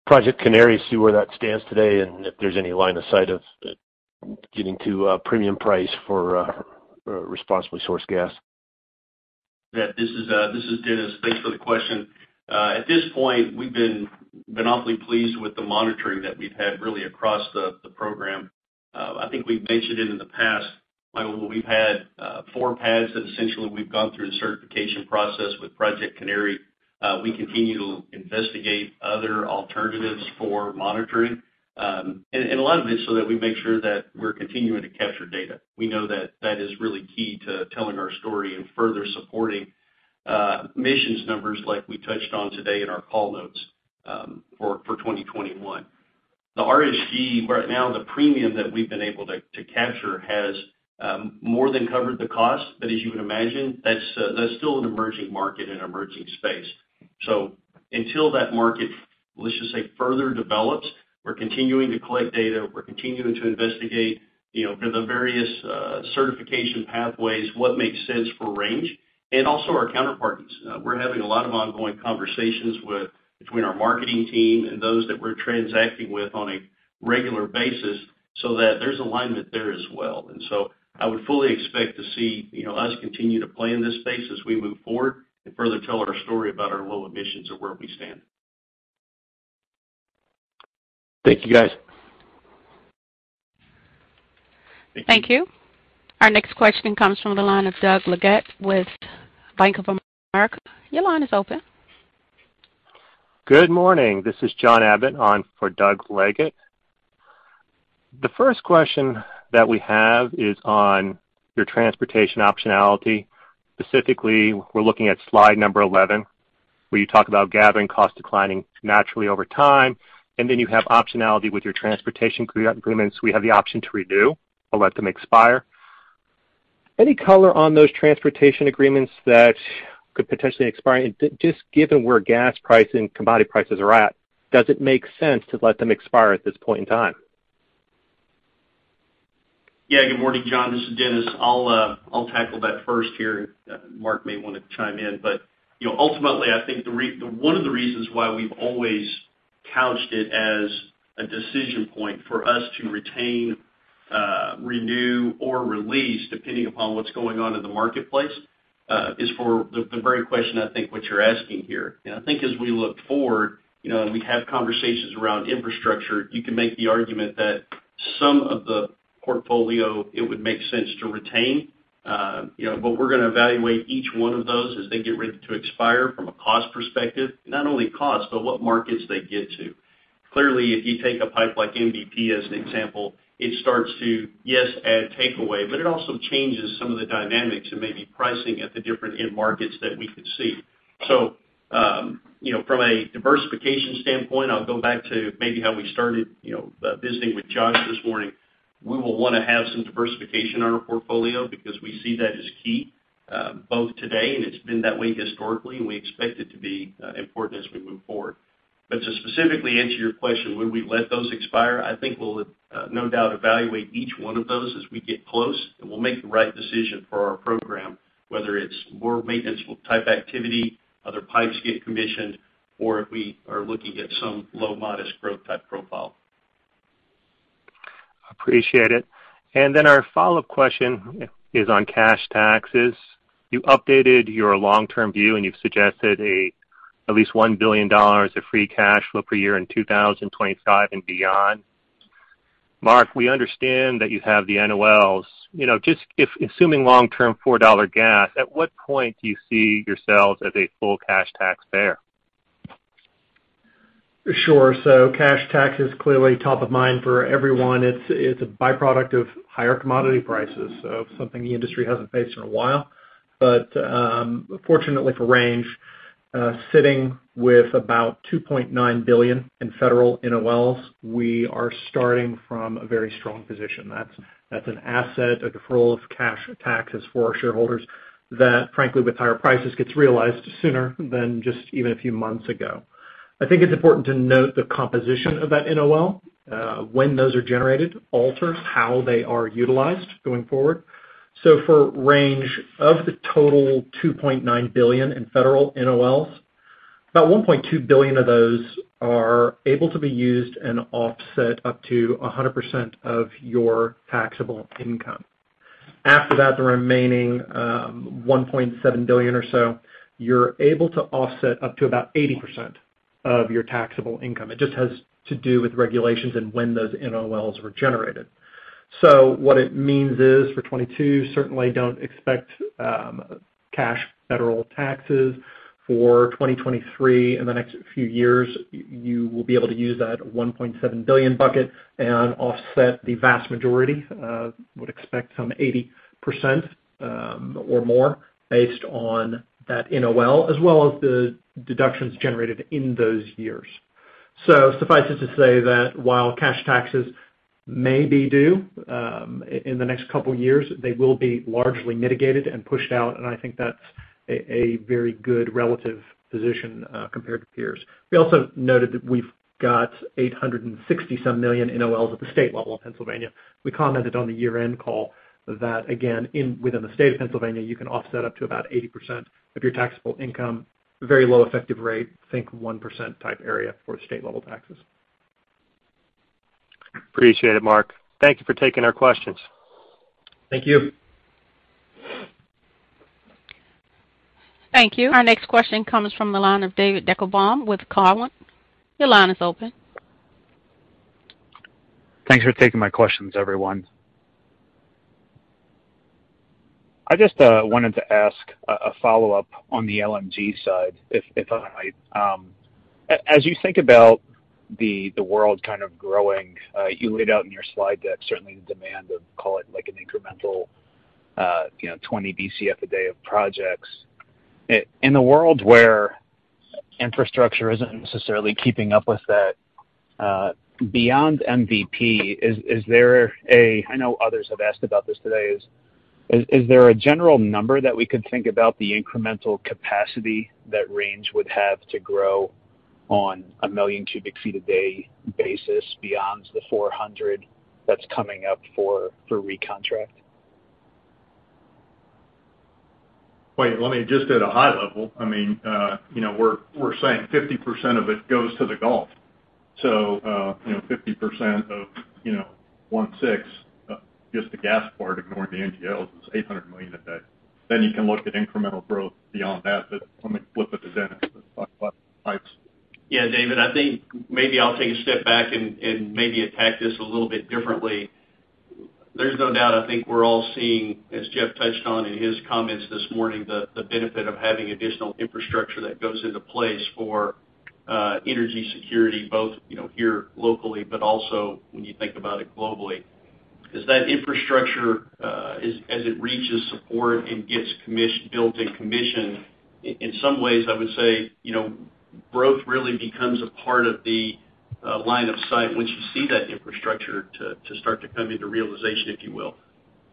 Project Canary, see where that stands today and if there's any line of sight of getting to a premium price for responsibly sourced gas. This is Dennis. Thanks for the question. At this point, we've been awfully pleased with the monitoring that we've had really across the program. I think we've mentioned it in the past, Michael. We've had four pads that essentially we've gone through the certification process with Project Canary. We continue to investigate other alternatives for monitoring. And a lot of it's so that we make sure that we're continuing to capture data. We know that is really key to telling our story and further supporting emissions numbers like we touched on today in our call notes for 2021. The RSG right now, the premium that we've been able to capture has more than covered the cost. As you can imagine, that's still an emerging market and emerging space. Until that market, let's just say, further develops, we're continuing to collect data, we're continuing to investigate, you know, for the various certification pathways, what makes sense for Range and also our counterparties. We're having a lot of ongoing conversations with between our marketing team and those that we're transacting with on a regular basis so that there's alignment there as well. I would fully expect to see, you know, us continue to play in this space as we move forward and further tell our story about our low emissions and where we stand. Thank you, guys. Thank you. Our next question comes from the line of Doug Leggate with Bank of America. Your line is open. Good morning. This is John Abbott on for Doug Leggate. The first question that we have is on your transportation optionality. Specifically, we're looking at slide number 11, where you talk about gathering cost declining naturally over time, and then you have optionality with your transportation agreements. We have the option to renew or let them expire. Any color on those transportation agreements that could potentially expire? Just given where gas prices and commodity prices are at, does it make sense to let them expire at this point in time? Yeah. Good morning, John, this is Dennis. I'll tackle that first here. Mark may want to chime in. Ultimately, I think one of the reasons why we've always couched it as a decision point for us to retain, renew or release, depending upon what's going on in the marketplace, is for the very question I think what you're asking here. I think as we look forward, you know, and we have conversations around infrastructure, you can make the argument that some of the portfolio it would make sense to retain, you know. We're gonna evaluate each one of those as they get ready to expire from a cost perspective, not only cost, but what markets they get to. Clearly, if you take a pipe like MVP as an example, it starts to yes, add takeaway, but it also changes some of the dynamics and maybe pricing at the different end markets that we could see. From a diversification standpoint, I'll go back to maybe how we started, you know, visiting with Josh this morning. We will wanna have some diversification on our portfolio because we see that as key, both today, and it's been that way historically, and we expect it to be important as we move forward. To specifically answer your question, would we let those expire? I think we'll no doubt evaluate each one of those as we get close, and we'll make the right decision for our program, whether it's more maintenance type activity, other pipes get commissioned, or if we are looking at some low modest growth type profile. Appreciate it. Then our follow-up question is on cash taxes. You updated your long-term view, and you've suggested at least $1 billion of free cash flow per year in 2025 and beyond. Mark, we understand that you have the NOLs. You know, just if assuming long-term $4 gas, at what point do you see yourselves as a full cash taxpayer? Sure. Cash tax is clearly top of mind for everyone. It's a byproduct of higher commodity prices of something the industry hasn't faced in a while. Fortunately for Range, sitting with about $2.9 billion in federal NOLs, we are starting from a very strong position. That's an asset, a deferral of cash taxes for our shareholders that frankly, with higher prices, gets realized sooner than just even a few months ago. I think it's important to note the composition of that NOL. When those are generated alters how they are utilized going forward. For Range of the total $2.9 billion in federal NOLs, about $1.2 billion of those are able to be used and offset up to 100% of your taxable income. After that, the remaining, $1.7 billion or so, you're able to offset up to about 80% of your taxable income. It just has to do with regulations and when those NOLs were generated. What it means is for 2022, certainly don't expect, cash federal taxes. For 2023 and the next few years, you will be able to use that $1.7 billion bucket and offset the vast majority, would expect some 80%, or more based on that NOL, as well as the deductions generated in those years. Suffice it to say that while cash taxes may be due, in the next couple of years, they will be largely mitigated and pushed out, and I think that's a very good relative position, compared to peers. We also noted that we've got $860-some million NOLs at the state level of Pennsylvania. We commented on the year-end call that again, within the state of Pennsylvania, you can offset up to about 80% of your taxable income, very low effective rate, think 1% type area for state level taxes. Appreciate it, Mark. Thank you for taking our questions. Thank you. Thank you. Our next question comes from the line of David Deckelbaum with Cowen. Your line is open. Thanks for taking my questions, everyone. I just wanted to ask a follow-up on the LNG side, if I might. As you think about the world kind of growing, you laid out in your slide deck, certainly the demand, call it like an incremental, you know, 20 bcf a day of projects. In a world where infrastructure isn't necessarily keeping up with that, beyond MVP, is there a, I know others have asked about this today, general number that we could think about the incremental capacity that Range would have to grow on a million cubic feet a day basis beyond the 400 that's coming up for recontract? Wait, let me just at a high level. I mean, you know, we're saying 50% of it goes to the Gulf. You know, 50% of, you know, 16, just the gas part, ignoring the NGLs, is 800 million a day. You can look at incremental growth beyond that. Let me flip it to Dennis to talk about pipes. Yeah, David, I think maybe I'll take a step back and maybe attack this a little bit differently. There's no doubt, I think we're all seeing, as Jeff touched on in his comments this morning, the benefit of having additional infrastructure that goes into place for energy security, both, you know, here locally, but also when you think about it globally. 'Cause that infrastructure, as it reaches support and gets built and commissioned, in some ways I would say, you know, growth really becomes a part of the line of sight once you see that infrastructure to start to come into realization, if you will.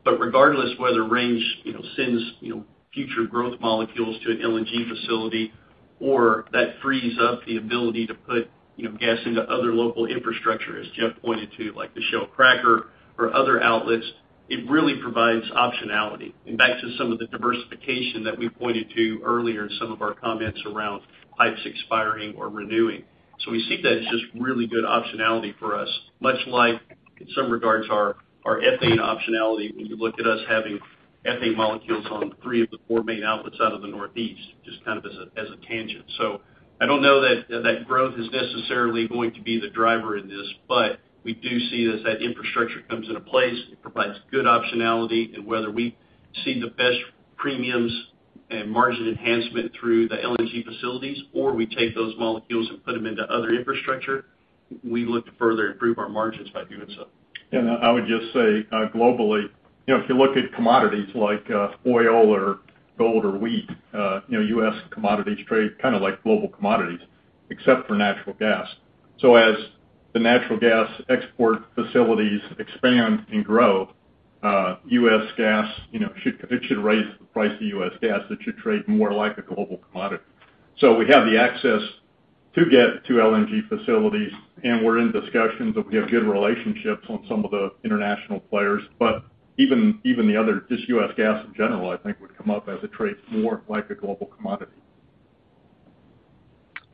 Regardless whether Range, you know, sends, you know, future growth molecules to an LNG facility or that frees up the ability to put, you know, gas into other local infrastructure, as Jeff pointed to, like the Shell cracker or other outlets, it really provides optionality. Back to some of the diversification that we pointed to earlier in some of our comments around pipes expiring or renewing. We see that as just really good optionality for us, much like in some regards our ethane optionality when you look at us having ethane molecules on three of the four main outlets out of the Northeast, just kind of as a tangent. I don't know that growth is necessarily going to be the driver in this, but we do see it as that infrastructure comes into place, it provides good optionality. Whether we see the best premiums and margin enhancement through the LNG facilities, or we take those molecules and put them into other infrastructure, we look to further improve our margins by doing so. I would just say, globally, you know, if you look at commodities like, oil or gold or wheat, you know, U.S. commodities trade kind of like global commodities, except for natural gas. As the natural gas export facilities expand and grow, U.S. gas, you know, it should raise the price of U.S. gas. It should trade more like a global commodity. We have the access to get to LNG facilities, and we're in discussions, and we have good relationships on some of the international players. Even the other, just U.S. gas in general, I think would come up as a trade more like a global commodity.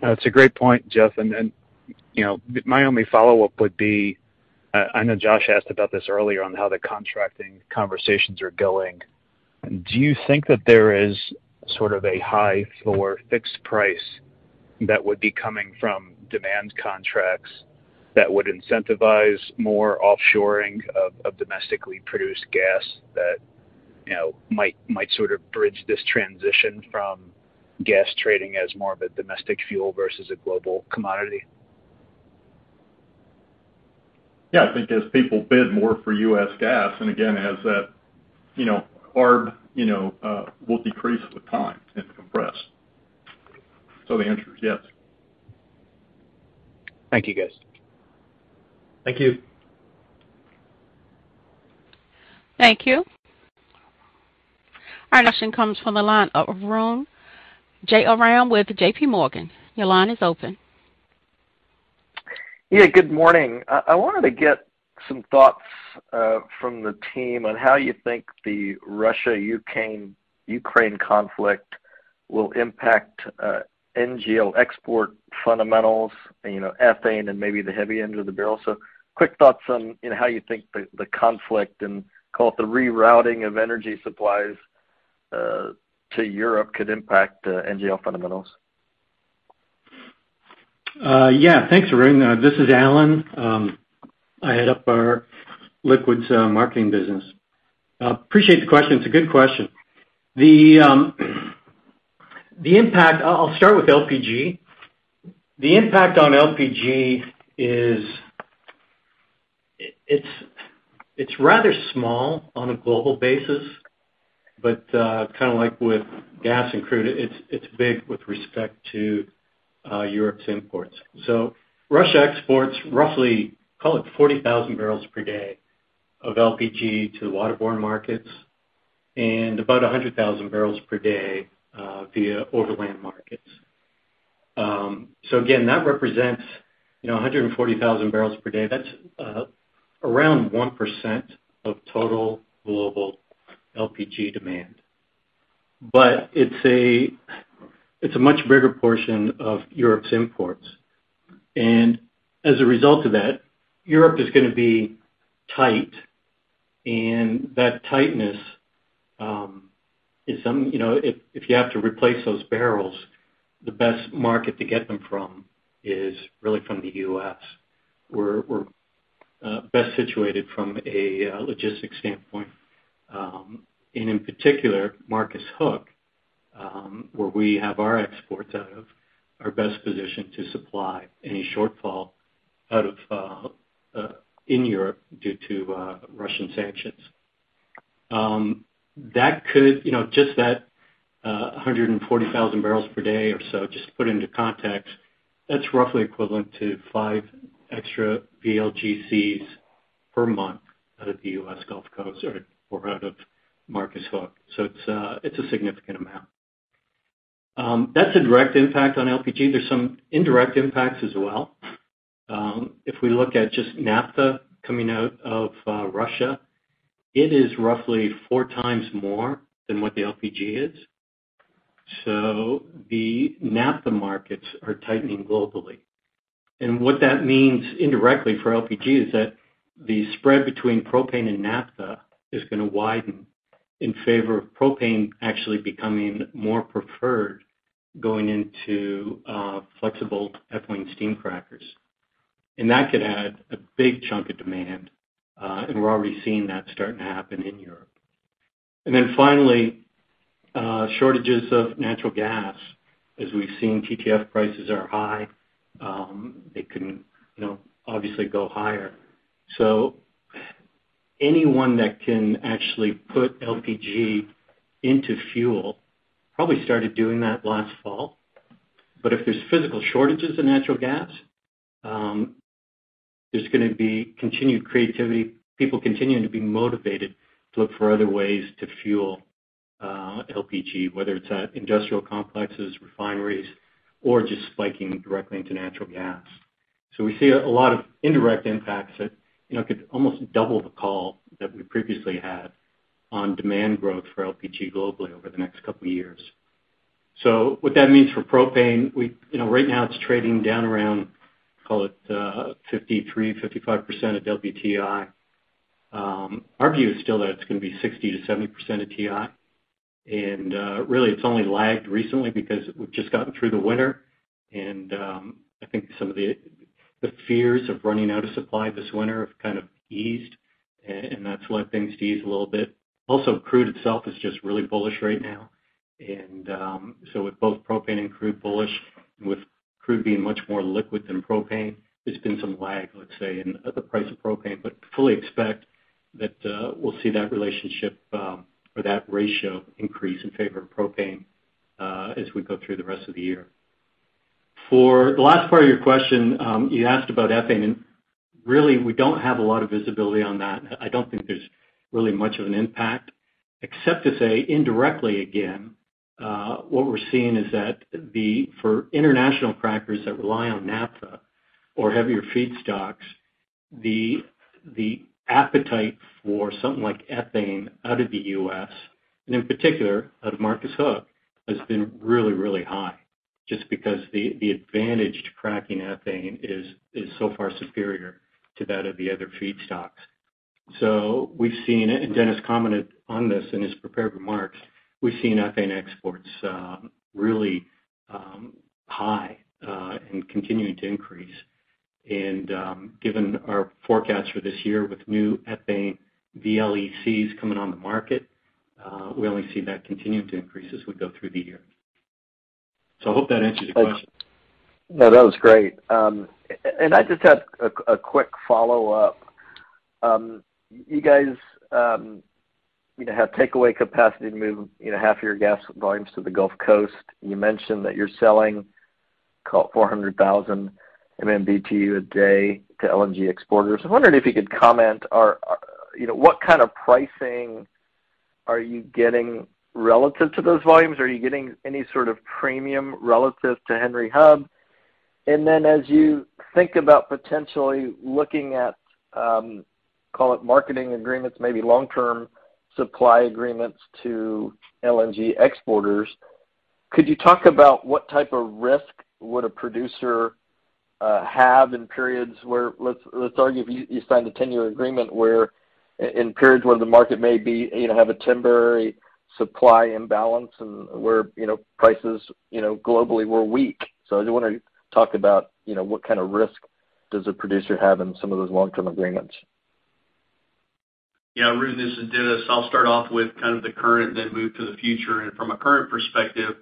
That's a great point, Jeff. You know, my only follow-up would be, I know Josh asked about this earlier on how the contracting conversations are going. Do you think that there is sort of a high for fixed price that would be coming from demand contracts that would incentivize more offshoring of domestically produced gas that, you know, might sort of bridge this transition from gas trading as more of a domestic fuel versus a global commodity? Yeah. I think as people bid more for U.S. gas, and again, as that, you know, arb, you know, will decrease with time and compress. The answer is yes. Thank you, guys. Thank you. Thank you. Our next question comes from the line of Arun Jayaram with JPMorgan. Your line is open. Yeah, good morning. I wanted to get some thoughts from the team on how you think the Russia-Ukraine conflict will impact NGL export fundamentals and, you know, ethane and maybe the heavy end of the barrel. Quick thoughts on how you think the conflict and call it the rerouting of energy supplies to Europe could impact NGL fundamentals. Yeah. Thanks, Arun. This is Alan. I head up our liquids marketing business. Appreciate the question. It's a good question. The impact. I'll start with LPG. The impact on LPG is it's rather small on a global basis, but kind of like with gas and crude, it's big with respect to Europe's imports. Russia exports roughly, call it 40,000 bbl per day of LPG to waterborne markets and about 100,000 bbl per day via overland markets. So again, that represents, you know, 140,000 bbl per day. That's around 1% of total global LPG demand. It's a much bigger portion of Europe's imports. As a result of that, Europe is gonna be tight. That tightness, you know, if you have to replace those barrels, the best market to get them from is really from the U.S. We're best situated from a logistics standpoint. In particular, Marcus Hook, where we have our exports out of, are best positioned to supply any shortfall in Europe due to Russian sanctions. That could, you know, just that 140,000 bbl per day or so, just to put into context, that's roughly equivalent to five extra VLGCs per month out of the U.S. Gulf Coast or out of Marcus Hook. It's a significant amount. That's a direct impact on LPG. There's some indirect impacts as well. If we look at just Naphtha coming out of Russia, it is roughly four times more than what the LPG is. The Naphtha markets are tightening globally. What that means indirectly for LPG is that the spread between propane and Naphtha is gonna widen in favor of propane actually becoming more preferred going into flexible ethylene steam crackers. That could add a big chunk of demand, and we're already seeing that starting to happen in Europe. Finally, shortages of natural gas. As we've seen, TTF prices are high. They can, you know, obviously go higher. Anyone that can actually put LPG into fuel probably started doing that last fall. If there's physical shortages of natural gas, there's gonna be continued creativity, people continuing to be motivated to look for other ways to fuel LPG, whether it's at industrial complexes, refineries, or just piping directly into natural gas. We see a lot of indirect impacts that, you know, could almost double the call that we previously had on demand growth for LPG globally over the next couple years. What that means for propane, we, you know, right now it's trading down around, call it, 53%-55% of WTI. Our view is still that it's gonna be 60%-70% of WTI. Really, it's only lagged recently because we've just gotten through the winter. I think some of the fears of running out of supply this winter have kind of eased. That's led things to ease a little bit. Also, crude itself is just really bullish right now. With both propane and crude bullish, and with crude being much more liquid than propane, there's been some lag, let's say, in the price of propane. Fully expect that we'll see that relationship or that ratio increase in favor of propane as we go through the rest of the year. For the last part of your question, you asked about ethane, and really, we don't have a lot of visibility on that. I don't think there's really much of an impact, except to say indirectly again, what we're seeing is that for international crackers that rely on Naphtha or heavier feedstocks, the appetite for something like ethane out of the U.S., and in particular out of Marcus Hook, has been really, really high, just because the advantage to cracking ethane is so far superior to that of the other feedstocks. We've seen, and Dennis commented on this in his prepared remarks, we've seen ethane exports really high and continuing to increase. Given our forecast for this year with new ethane VLECs coming on the market, we only see that continuing to increase as we go through the year. I hope that answers your question. No, that was great. And I just have a quick follow-up. You guys, you know, have takeaway capacity to move, you know, half of your gas volumes to the Gulf Coast. You mentioned that you're selling call it 400,000 MMBtu a day to LNG exporters. I wondered if you could comment or, you know, what kind of pricing are you getting relative to those volumes? Are you getting any sort of premium relative to Henry Hub? As you think about potentially looking at, call it marketing agreements, maybe long-term supply agreements to LNG exporters, could you talk about what type of risk would a producer have in periods where, let's argue if you signed a 10-year agreement where in periods where the market may be, you know, have a temporary supply imbalance and where, you know, prices, you know, globally were weak. I just wonder, talk about, you know, what kind of risk does a producer have in some of those long-term agreements? Yeah, Arun, this is Dennis. I'll start off with kind of the current, then move to the future. From a current perspective,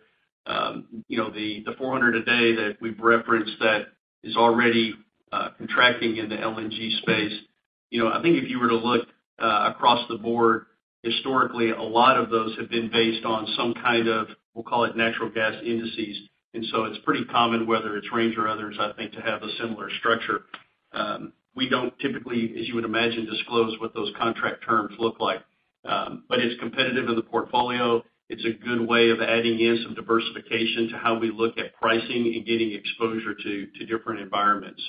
you know, the 400 a day that we've referenced that is already contracting in the LNG space, you know, I think if you were to look across the board, historically, a lot of those have been based on some kind of, we'll call it natural gas indices. It's pretty common, whether it's Range or others, I think, to have a similar structure. We don't typically, as you would imagine, disclose what those contract terms look like. It's competitive in the portfolio. It's a good way of adding in some diversification to how we look at pricing and getting exposure to different environments.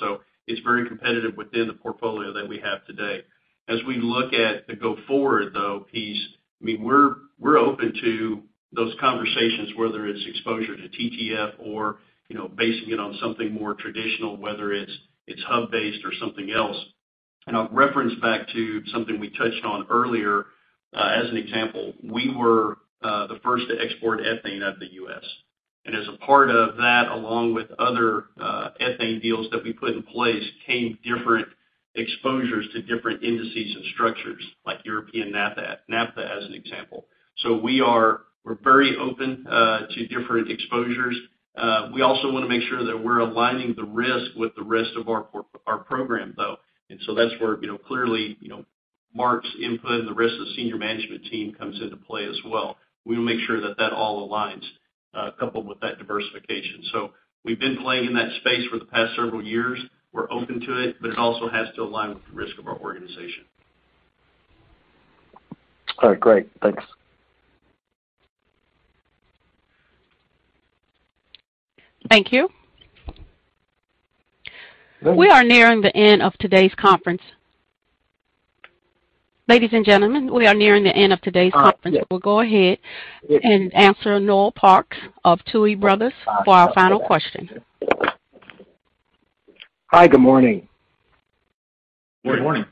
It's very competitive within the portfolio that we have today. As we look at the going forward, though, piece, I mean, we're open to those conversations, whether it's exposure to TTF or, you know, basing it on something more traditional, whether it's hub-based or something else. I'll reference back to something we touched on earlier, as an example. We were the first to export ethane out of the U.S. As a part of that along with other ethane deals that we put in place, came different exposures to different indices and structures like European Naphtha as an example. We're very open to different exposures. We also wanna make sure that we're aligning the risk with the rest of our core program, though. That's where, you know, clearly, you know, Mark's input and the rest of the senior management team comes into play as well. We wanna make sure that all aligns, coupled with that diversification. We've been playing in that space for the past several years. We're open to it, but it also has to align with the risk of our organization. All right, great. Thanks. Thank you. We are nearing the end of today's conference. Ladies and gentlemen, we are nearing the end of today's conference. We'll go ahead and answer Noel Parks of Tuohy Brothers for our final question. Hi, good morning. Good morning.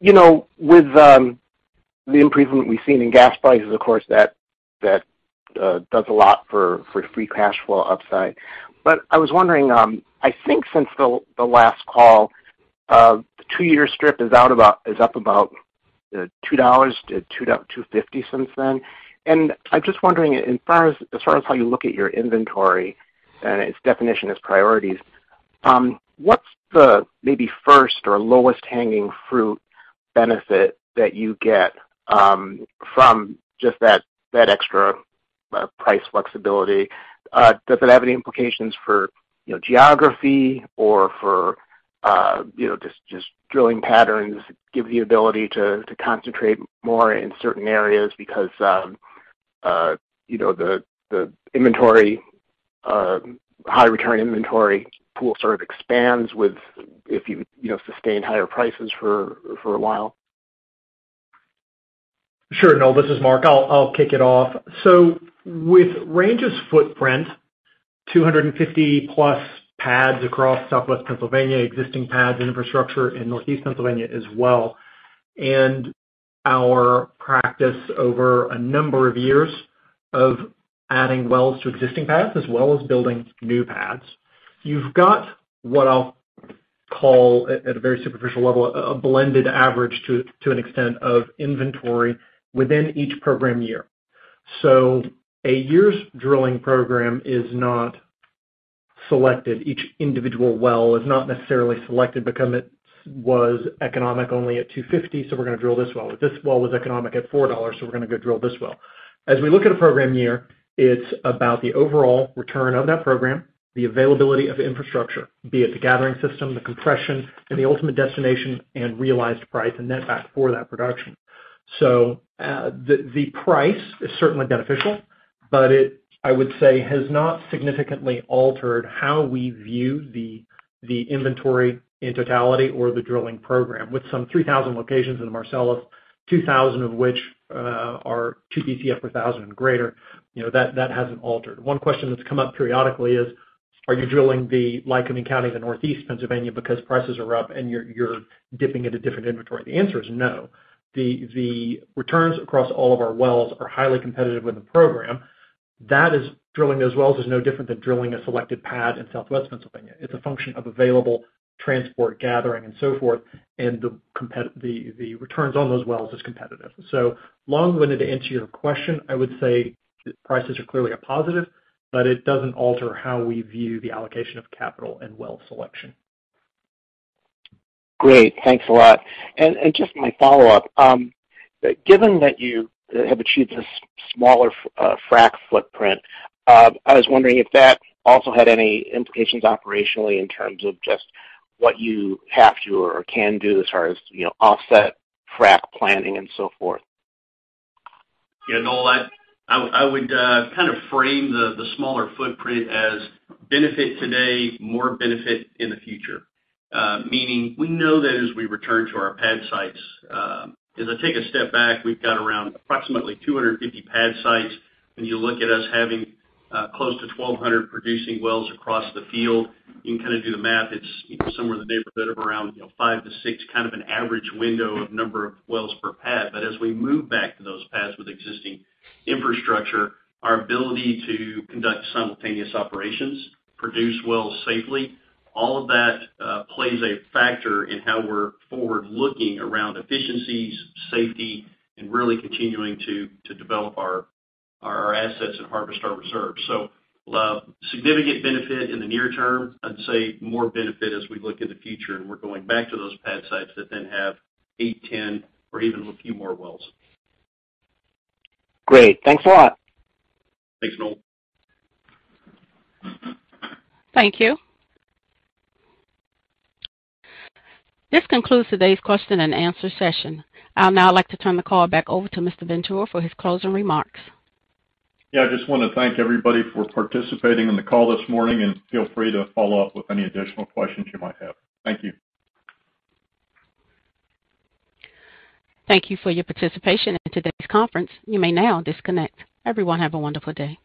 You know, with the improvement we've seen in gas prices, of course, that does a lot for free cash flow upside. I was wondering, I think since the last call, the two-year strip is up about $2-$2.50 since then. I'm just wondering, as far as how you look at your inventory and its definition as priorities, what's the maybe first or lowest hanging fruit benefit that you get from just that extra price flexibility? Does it have any implications for, you know, geography or for, you know, just drilling patterns, give the ability to concentrate more in certain areas because, you know, the inventory, high return inventory pool sort of expands with if you know, sustain higher prices for a while? Sure. Noel, this is Mark. I'll kick it off. With Range's footprint, 250+ pads across Southwest Pennsylvania, existing pads and infrastructure in Northeast Pennsylvania as well, and our practice over a number of years of adding wells to existing pads as well as building new pads, you've got what I'll call at a very superficial level, a blended average to an extent of inventory within each program year. A year's drilling program is not selected. Each individual well is not necessarily selected because it was economic only at $2.50, so we're gonna drill this well. This well was economic at $4, so we're gonna go drill this well. As we look at a program year, it's about the overall return on that program, the availability of infrastructure, be it the gathering system, the compression, and the ultimate destination and realized price and net back for that production. The price is certainly beneficial, but it, I would say, has not significantly altered how we view the inventory in totality or the drilling program. With some 3,000 locations in Marcellus, 2,000 of which are [2 TCF] or greater, you know, that hasn't altered. One question that's come up periodically is, are you drilling in Lycoming County in the Northeast Pennsylvania because prices are up and you're dipping into different inventory? The answer is no. The returns across all of our wells are highly competitive with the program. That is drilling those wells is no different than drilling a selected pad in Southwest Pennsylvania. It's a function of available transport, gathering and so forth, and the returns on those wells is competitive. Long-winded to answer your question, I would say prices are clearly a positive, but it doesn't alter how we view the allocation of capital and well selection. Great. Thanks a lot. Just my follow-up. Given that you have achieved a smaller frack footprint, I was wondering if that also had any implications operationally in terms of just what you have to or can do as far as, you know, offset frack planning and so forth. Yeah. Noel, I would kind of frame the smaller footprint as benefit today, more benefit in the future. Meaning, we know that as we return to our pad sites, as I take a step back, we've got around approximately 250 pad sites. When you look at us having close to 1,200 producing wells across the field, you can kinda do the math. It's, you know, somewhere in the neighborhood of around, you know, five to six, kind of an average window of number of wells per pad. But as we move back to those pads with existing infrastructure, our ability to conduct simultaneous operations, produce wells safely, all of that plays a factor in how we're forward-looking around efficiencies, safety, and really continuing to develop our assets and harvest our reserves. Significant benefit in the near term. I'd say more benefit as we look in the future and we're going back to those pad sites that then have eight, 10 or even a few more wells. Great. Thanks a lot. Thanks, Noel. Thank you. This concludes today's question and answer session. I'd now like to turn the call back over to Mr. Ventura for his closing remarks. Yeah, I just wanna thank everybody for participating in the call this morning, and feel free to follow up with any additional questions you might have. Thank you. Thank you for your participation in today's conference. You may now disconnect. Everyone have a wonderful day.